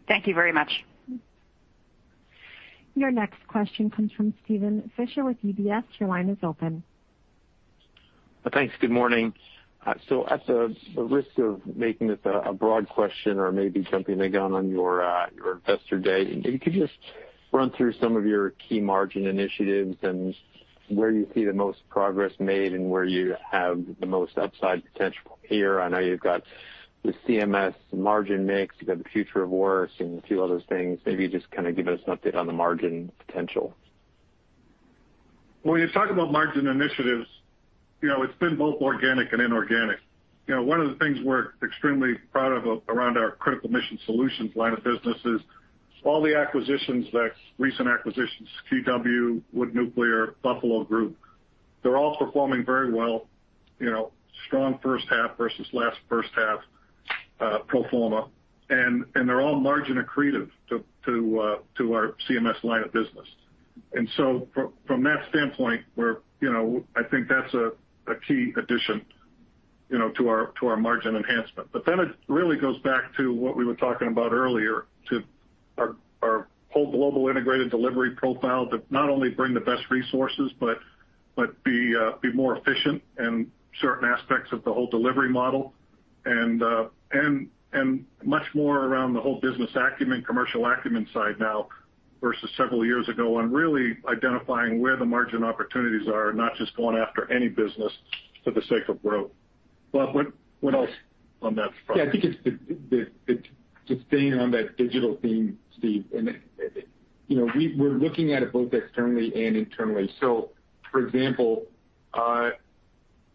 Thank you very much. Your next question comes from Steven Fisher with UBS. Your line is open. Thanks. Good morning. At the risk of making this a broad question or maybe jumping the gun on your Investor Day, if you could just run through some of your key margin initiatives and where you see the most progress made and where you have the most upside potential here. I know you've got the CMS margin mix, you've got the Future of Work and a few other things. Maybe just kind of give us an update on the margin potential. When you talk about margin initiatives, it's been both organic and inorganic. One of the things we're extremely proud of around our Critical Mission Solutions line of business is all the acquisitions, the recent acquisitions, KeyW, Wood Nuclear, The Buffalo Group, they're all performing very well. Strong first half versus last first half pro forma, they're all margin accretive to our CMS line of business. From that standpoint, I think that's a key addition to our margin enhancement. It really goes back to what we were talking about earlier, to our whole global integrated delivery profile to not only bring the best resources, but be more efficient in certain aspects of the whole delivery model and much more around the whole business acumen, commercial acumen side now versus several years ago on really identifying where the margin opportunities are, not just going after any business for the sake of growth. Bob, what else on that front? Yeah, I think it's staying on that digital theme, Steve. We're looking at it both externally and internally. For example,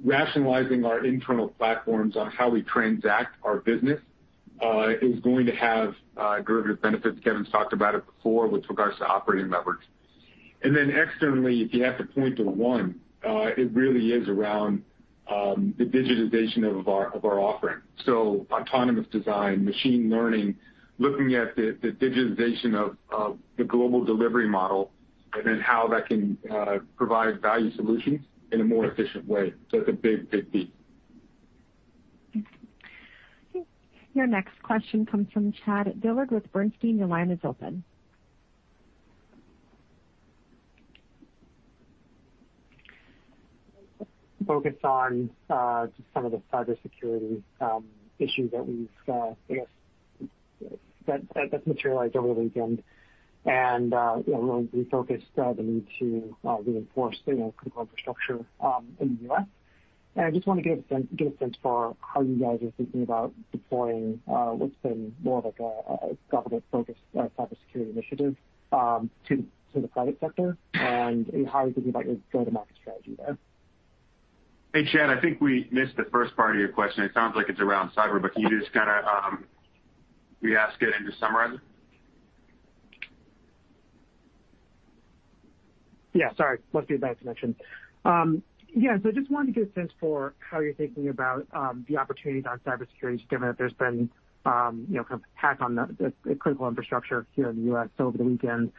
rationalizing our internal platforms on how we transact our business is going to have derivative benefits. Kevin's talked about it before with regards to operating leverage. Then externally, if you have to point to one, it really is around the digitization of our offering. Autonomous design, machine learning, looking at the digitization of the global delivery model, and then how that can provide value solutions in a more efficient way. That's a big, big piece. Okay. Your next question comes from Chad Dillard with Bernstein. Your line is open. Focused on just some of the cybersecurity issues that materialized over the weekend, refocused the need to reinforce critical infrastructure in the U.S. I just want to get a sense for how you guys are thinking about deploying what's been more of a government-focused cybersecurity initiative to the private sector, and how you're thinking about your go-to-market strategy there. Hey, Chad, I think we missed the first part of your question. It sounds like it's around cyber, but can you just kind of re-ask it and just summarize it? Yeah, sorry. Must be a bad connection. Just wanted to get a sense for how you're thinking about the opportunities on cybersecurity, given that there's been kind of attack on the critical infrastructure here in the U.S. over the weekend.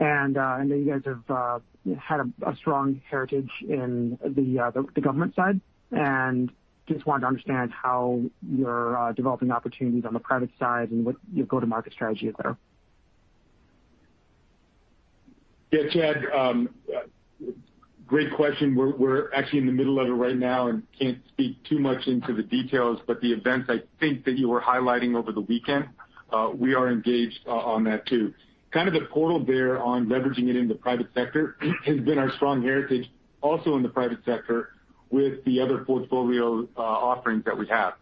I know you guys have had a strong heritage in the government side, and just wanted to understand how you're developing opportunities on the private side and what your go-to-market strategy is there. Yeah, Chad, great question. We're actually in the middle of it right now and can't speak too much into the details, but the events I think that you were highlighting over the weekend, we are engaged on that too. Kind of the portal there on leveraging it in the private sector has been our strong heritage also in the private sector with the other portfolio offerings that we have.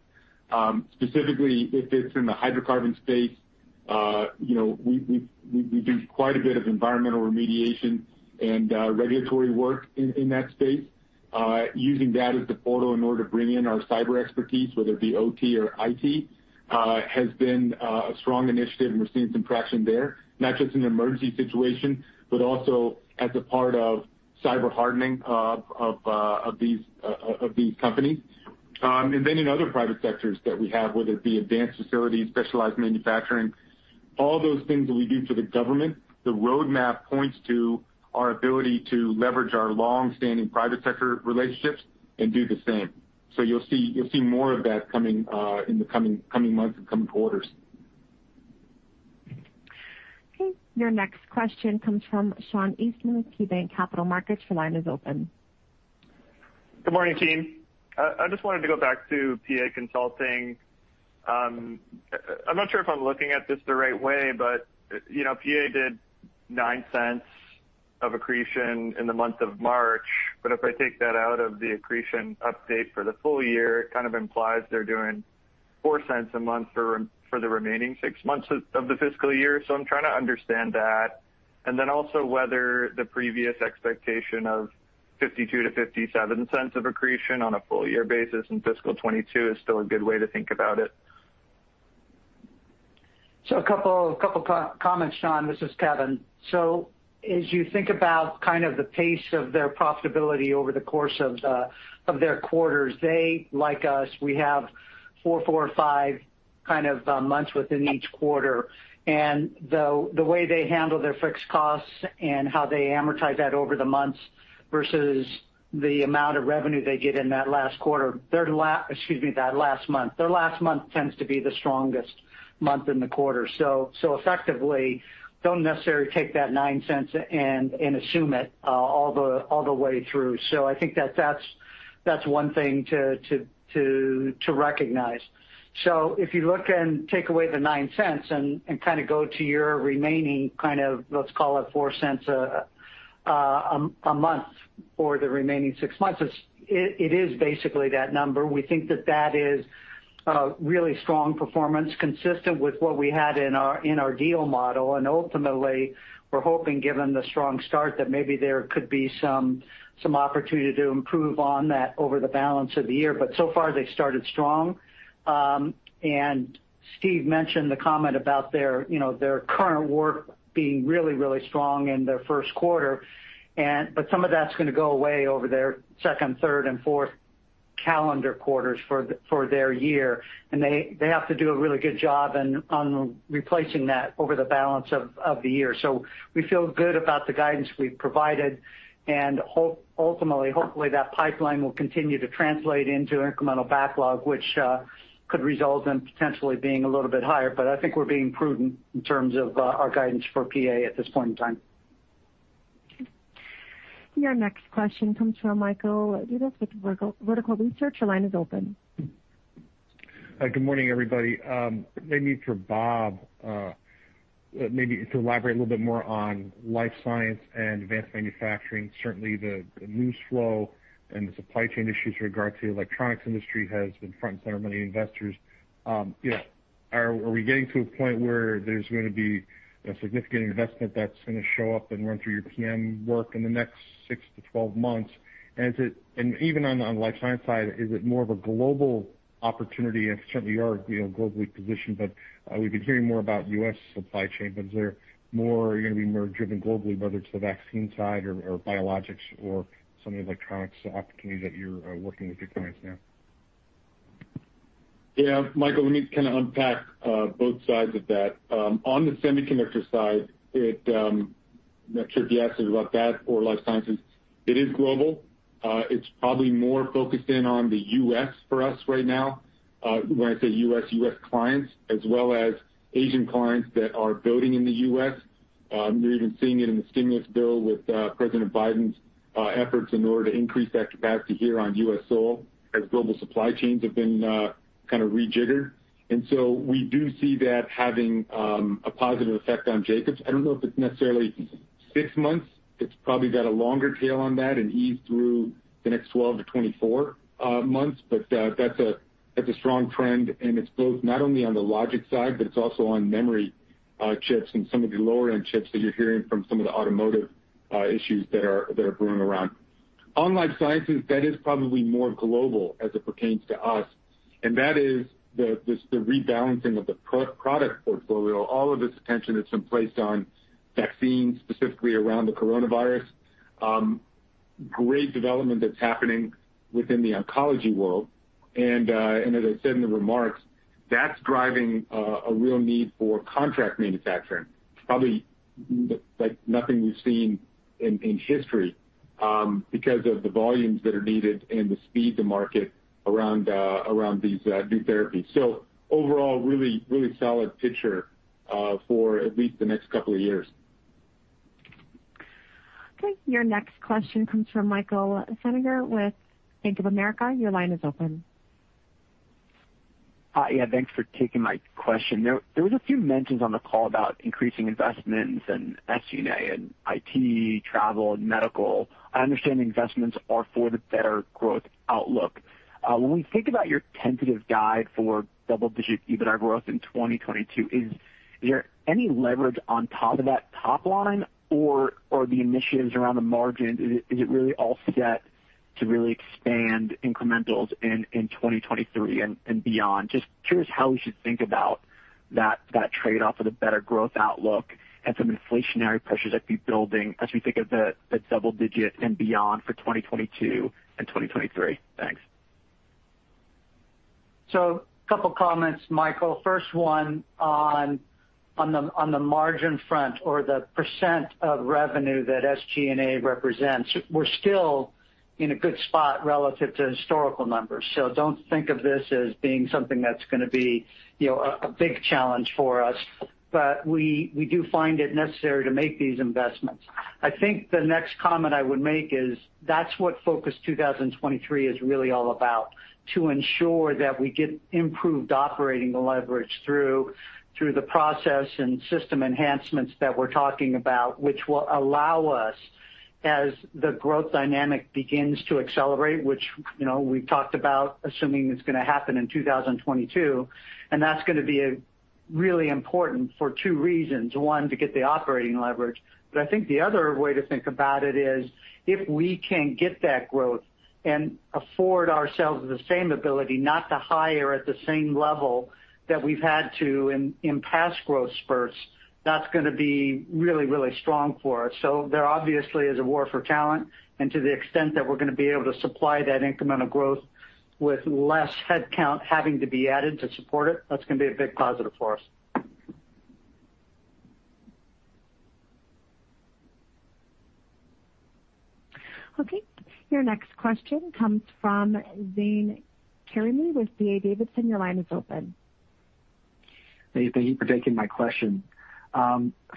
Specifically, if it's in the hydrocarbon space, we do quite a bit of environmental remediation and regulatory work in that space. Using that as the portal in order to bring in our cyber expertise, whether it be OT or IT, has been a strong initiative, and we're seeing some traction there, not just in an emergency situation, but also as a part of cyber hardening of these companies. In other private sectors that we have, whether it be advanced facilities, specialized manufacturing, all those things that we do for the government, the roadmap points to our ability to leverage our longstanding private sector relationships and do the same. You'll see more of that in the coming months and coming quarters. Okay. Your next question comes from Sean Eastman with KeyBanc Capital Markets. Your line is open. Good morning, team. I just wanted to go back to PA Consulting. I'm not sure if I'm looking at this the right way. PA did $0.09 of accretion in the month of March. If I take that out of the accretion update for the full year, it kind of implies they're doing $0.04 a month for the remaining six months of the fiscal year. I'm trying to understand that, and then also whether the previous expectation of $0.52-$0.57 of accretion on a full year basis in fiscal 2022 is still a good way to think about it. A couple of comments, Sean. This is Kevin. As you think about kind of the pace of their profitability over the course of their quarters, they, like us, we have four or five kind of months within each quarter. The way they handle their fixed costs and how they amortize that over the months versus the amount of revenue they get in that last quarter, that last month. Their last month tends to be the strongest month in the quarter. Effectively, don't necessarily take that $0.09 and assume it all the way through. I think that's one thing to recognize. If you look and take away the $0.09 and kind of go to your remaining kind of, let's call it $0.04 a month for the remaining six months, it is basically that number. We think that that is a really strong performance consistent with what we had in our deal model. Ultimately, we're hoping given the strong start that maybe there could be some opportunity to improve on that over the balance of the year. So far they started strong. Steve mentioned the comment about their current work being really, really strong in their first quarter. Some of that's gonna go away over their second, third, and fourth calendar quarters for their year. They have to do a really good job on replacing that over the balance of the year. We feel good about the guidance we've provided and ultimately, hopefully that pipeline will continue to translate into incremental backlog, which could result in potentially being a little bit higher. I think we're being prudent in terms of our guidance for PA at this point in time. Okay. Your next question comes from Michael Dudas with Vertical Research. Your line is open. Hi. Good morning, everybody. Maybe for Bob, maybe to elaborate a little bit more on life science and advanced manufacturing. Certainly the news flow and the supply chain issues with regard to the electronics industry has been front and center for many investors. You know. Are we getting to a point where there's going to be a significant investment that's going to show up and run through your PM work in the next 6-12 months? Even on the life science side, is it more of a global opportunity? Certainly you are globally positioned, but we've been hearing more about U.S. supply chain, are you going to be more driven globally, whether it's the vaccine side or biologics or some of the electronics opportunities that you're working with your clients now? Yeah, Michael, let me kind of unpack both sides of that. On the semiconductor side, I'm not sure if you asked this about that or life sciences. It is global. It's probably more focused in on the U.S. for us right now. When I say U.S., U.S. clients, as well as Asian clients that are building in the U.S. You're even seeing it in the stimulus bill with President Biden's efforts in order to increase that capacity here on U.S. soil as global supply chains have been kind of rejiggered. We do see that having a positive effect on Jacobs. I don't know if it's necessarily six months. It's probably got a longer tail on that and ease through the next 12-24 months. That's a strong trend, and it's both not only on the logic side, but it's also on memory chips and some of the lower-end chips that you're hearing from some of the automotive issues that are brewing around. On life sciences, that is probably more global as it pertains to us, and that is the rebalancing of the product portfolio. All of this attention that's been placed on vaccines, specifically around the coronavirus. Great development that's happening within the oncology world. As I said in the remarks, that's driving a real need for contract manufacturing. Probably like nothing we've seen in history because of the volumes that are needed and the speed to market around these new therapies. Overall, really solid picture for at least the next couple of years. Okay. Your next question comes from Michael Feniger with Bank of America. Your line is open. Hi, yeah, thanks for taking my question. There was a few mentions on the call about increasing investments in SG&A and IT, travel, and medical. I understand the investments are for the better growth outlook. When we think about your tentative guide for double-digit EBITDA growth in 2022, is there any leverage on top of that top line or the initiatives around the margin? Is it really all set to really expand incrementals in 2023 and beyond? Just curious how we should think about that trade-off of the better growth outlook and some inflationary pressures that'd be building as we think of the double digit and beyond for 2022 and 2023. Thanks. A couple of comments, Michael. First one on the margin front or the percent of revenue that SG&A represents. We're still in a good spot relative to historical numbers, so don't think of this as being something that's going to be a big challenge for us. We do find it necessary to make these investments. I think the next comment I would make is that's what Focus 2023 is really all about. To ensure that we get improved operating leverage through the process and system enhancements that we're talking about, which will allow us as the growth dynamic begins to accelerate, which we've talked about, assuming it's going to happen in 2022, and that's going to be really important for two reasons. One, to get the operating leverage. I think the other way to think about it is if we can get that growth and afford ourselves the same ability not to hire at the same level that we've had to in past growth spurts, that's going to be really strong for us. There obviously is a war for talent, and to the extent that we're going to be able to supply that incremental growth with less headcount having to be added to support it, that's going to be a big positive for us. Okay. Your next question comes from Zane Karimi with D.A. Davidson. Your line is open. Thank you for taking my question.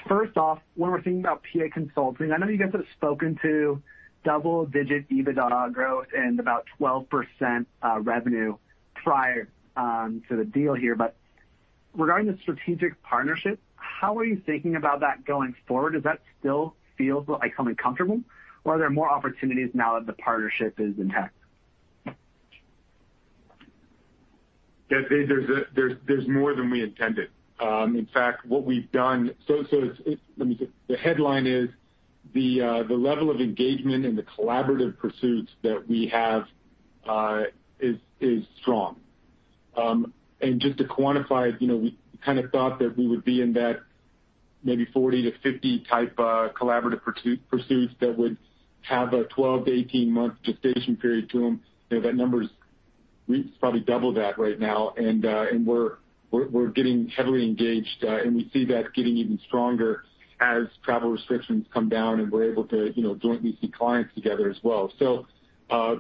First off, when we're thinking about PA Consulting, I know you guys have spoken to double-digit EBITDA growth and about 12% revenue prior to the deal here. Regarding the strategic partnership, how are you thinking about that going forward? Does that still feel economically comfortable, or are there more opportunities now that the partnership is intact? There's more than we intended. In fact, let me say, the headline is the level of engagement and the collaborative pursuits that we have is strong. Just to quantify it, we kind of thought that we would be in that maybe 40 to 50 type collaborative pursuits that would have a 12-18 month gestation period to them. That number is probably double that right now, and we're getting heavily engaged, and we see that getting even stronger as travel restrictions come down and we're able to jointly see clients together as well.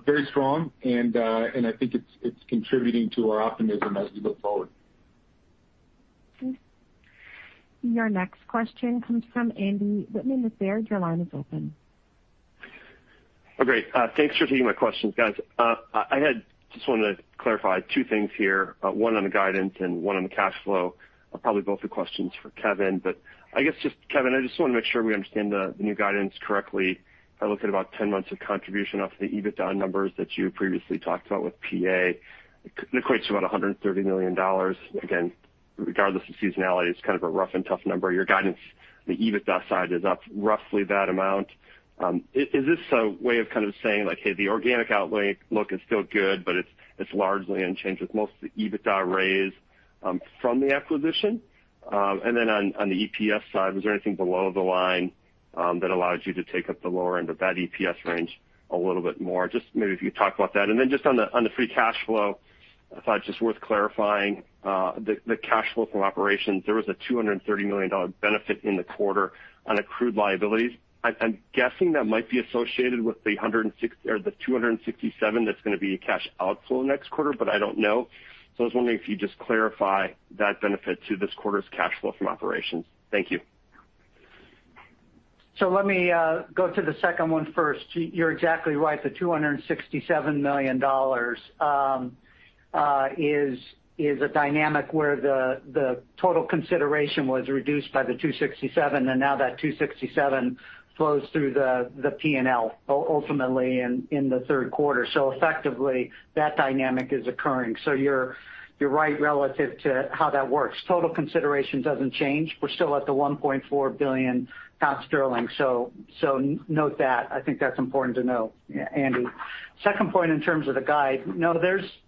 Very strong, and I think it's contributing to our optimism as we look forward. Your next question comes from Andy Wittmann with Baird. Your line is open. Oh, great. Thanks for taking my questions, guys. I just wanted to clarify two things here, one on the guidance and one on the cash flow. Probably both the questions for Kevin. I guess just, Kevin, I just want to make sure we understand the new guidance correctly. I looked at about 10 months of contribution off the EBITDA numbers that you previously talked about with PA. It equates to about $130 million. Again, regardless of seasonality, it's kind of a rough and tough number. Your guidance, the EBITDA side is up roughly that amount. Is this a way of kind of saying like, hey, the organic outlay look is still good, but it's largely unchanged with most of the EBITDA raise from the acquisition? On the EPS side, was there anything below the line that allowed you to take up the lower end of that EPS range a little bit more? Maybe if you could talk about that. On the free cash flow, I thought worth clarifying, the cash flow from operations, there was a $230 million benefit in the quarter on accrued liabilities. I'm guessing that might be associated with the $267 that's gonna be a cash outflow next quarter, but I don't know. I was wondering if you just clarify that benefit to this quarter's cash flow from operations. Thank you. Let me go to the second one first. You're exactly right. The $267 million is a dynamic where the total consideration was reduced by the $267 million, now that $267 million flows through the P&L ultimately in the third quarter. Effectively, that dynamic is occurring. You're right relative to how that works. Total consideration doesn't change. We're still at the 1.4 billion pound, note that. I think that's important to know, Andy. Second point in terms of the guide.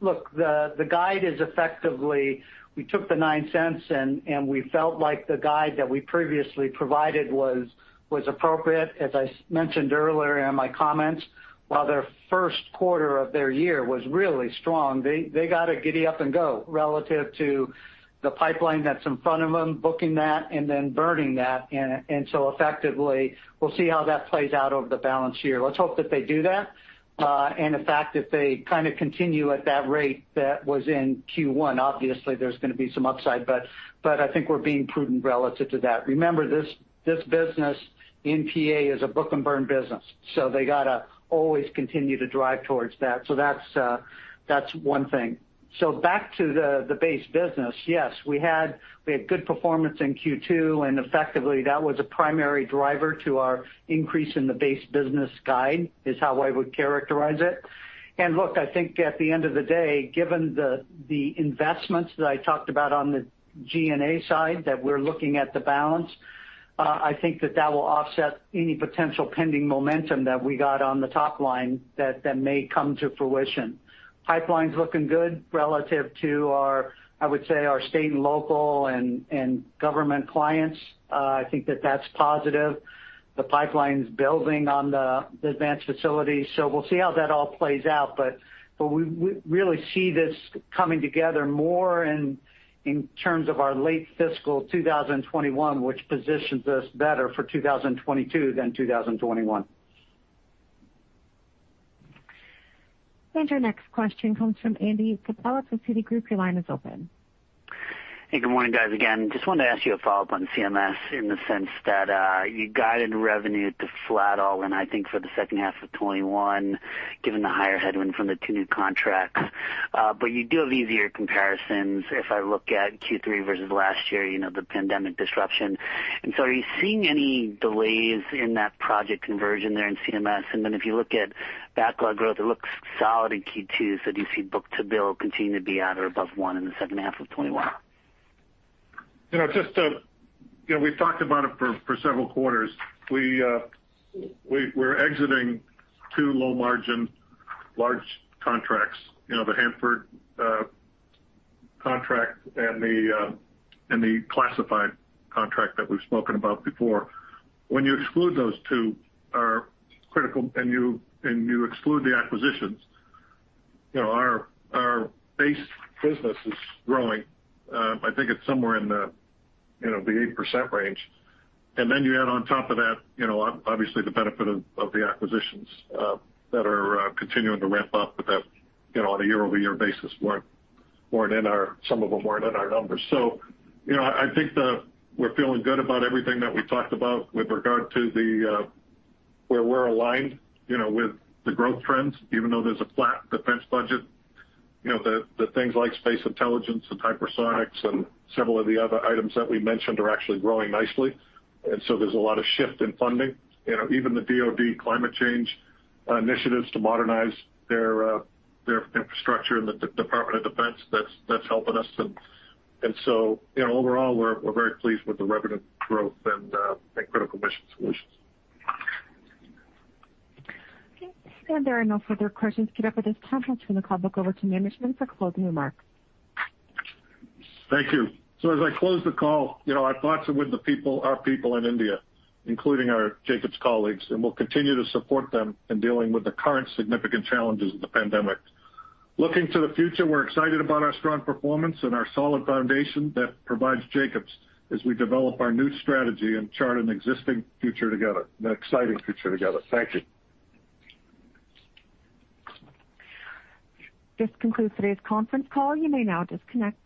Look, the guide is effectively, we took the $0.09, we felt like the guide that we previously provided was appropriate. As I mentioned earlier in my comments, while their first quarter of their year was really strong, they got to giddy up and go relative to the pipeline that's in front of them, booking that, then burning that. Effectively, we'll see how that plays out over the balance here. Let's hope that they do that. In fact, if they kind of continue at that rate that was in Q1, obviously there's gonna be some upside, but I think we're being prudent relative to that. Remember, this business in PA is a book-and-burn business, so they got to always continue to drive towards that. That's one thing. Back to the base business. Yes, we had good performance in Q2, and effectively, that was a primary driver to our increase in the base business guide, is how I would characterize it. Look, I think at the end of the day, given the investments that I talked about on the G&A side, that we're looking at the balance, I think that that will offset any potential pending momentum that we got on the top line that may come to fruition. Pipeline's looking good relative to our, I would say, our state and local and government clients. I think that that's positive. The pipeline's building on the advanced facilities. We'll see how that all plays out. We really see this coming together more in terms of our late fiscal 2021, which positions us better for 2022 than 2021. Our next question comes from Andy Kaplowitz from Citigroup. Your line is open. Hey, good morning, guys. Just wanted to ask you a follow-up on CMS in the sense that you guided revenue to flat all in, I think, for the second half of 2021, given the higher headwind from the two known contracts. You do have easier comparisons if I look at Q3 versus last year, the pandemic disruption. Are you seeing any delays in that project conversion there in CMS? If you look at backlog growth, it looks solid in Q2. Do you see book-to-bill continuing to be at or above one in the second half of 2021? We've talked about it for several quarters. We're exiting two low-margin, large contracts, the Hanford contract and the classified contract that we've spoken about before. When you exclude those two are critical, and you exclude the acquisitions, our base business is growing. I think it's somewhere in the 8% range. You add on top of that, obviously, the benefit of the acquisitions that are continuing to ramp up, but that on a year-over-year basis some of them weren't in our numbers. I think that we're feeling good about everything that we talked about with regard to where we're aligned with the growth trends, even though there's a flat defense budget. The things like space intelligence and hypersonics and several of the other items that we mentioned are actually growing nicely. There's a lot of shift in funding. Even the DOD climate change initiatives to modernize their infrastructure in the Department of Defense, that's helping us. Overall, we're very pleased with the revenue growth and Critical Mission Solutions. Okay. There are no further questions. for this conference, we'll now look over to management for closing remarks. Thank you. As I close the call, our thoughts are with our people in India, including our Jacobs colleagues, and we'll continue to support them in dealing with the current significant challenges of the pandemic. Looking to the future, we're excited about our strong performance and our solid foundation that provides Jacobs as we develop our new strategy and chart an exciting future together. Thank you. This concludes today's conference call. You may now disconnect.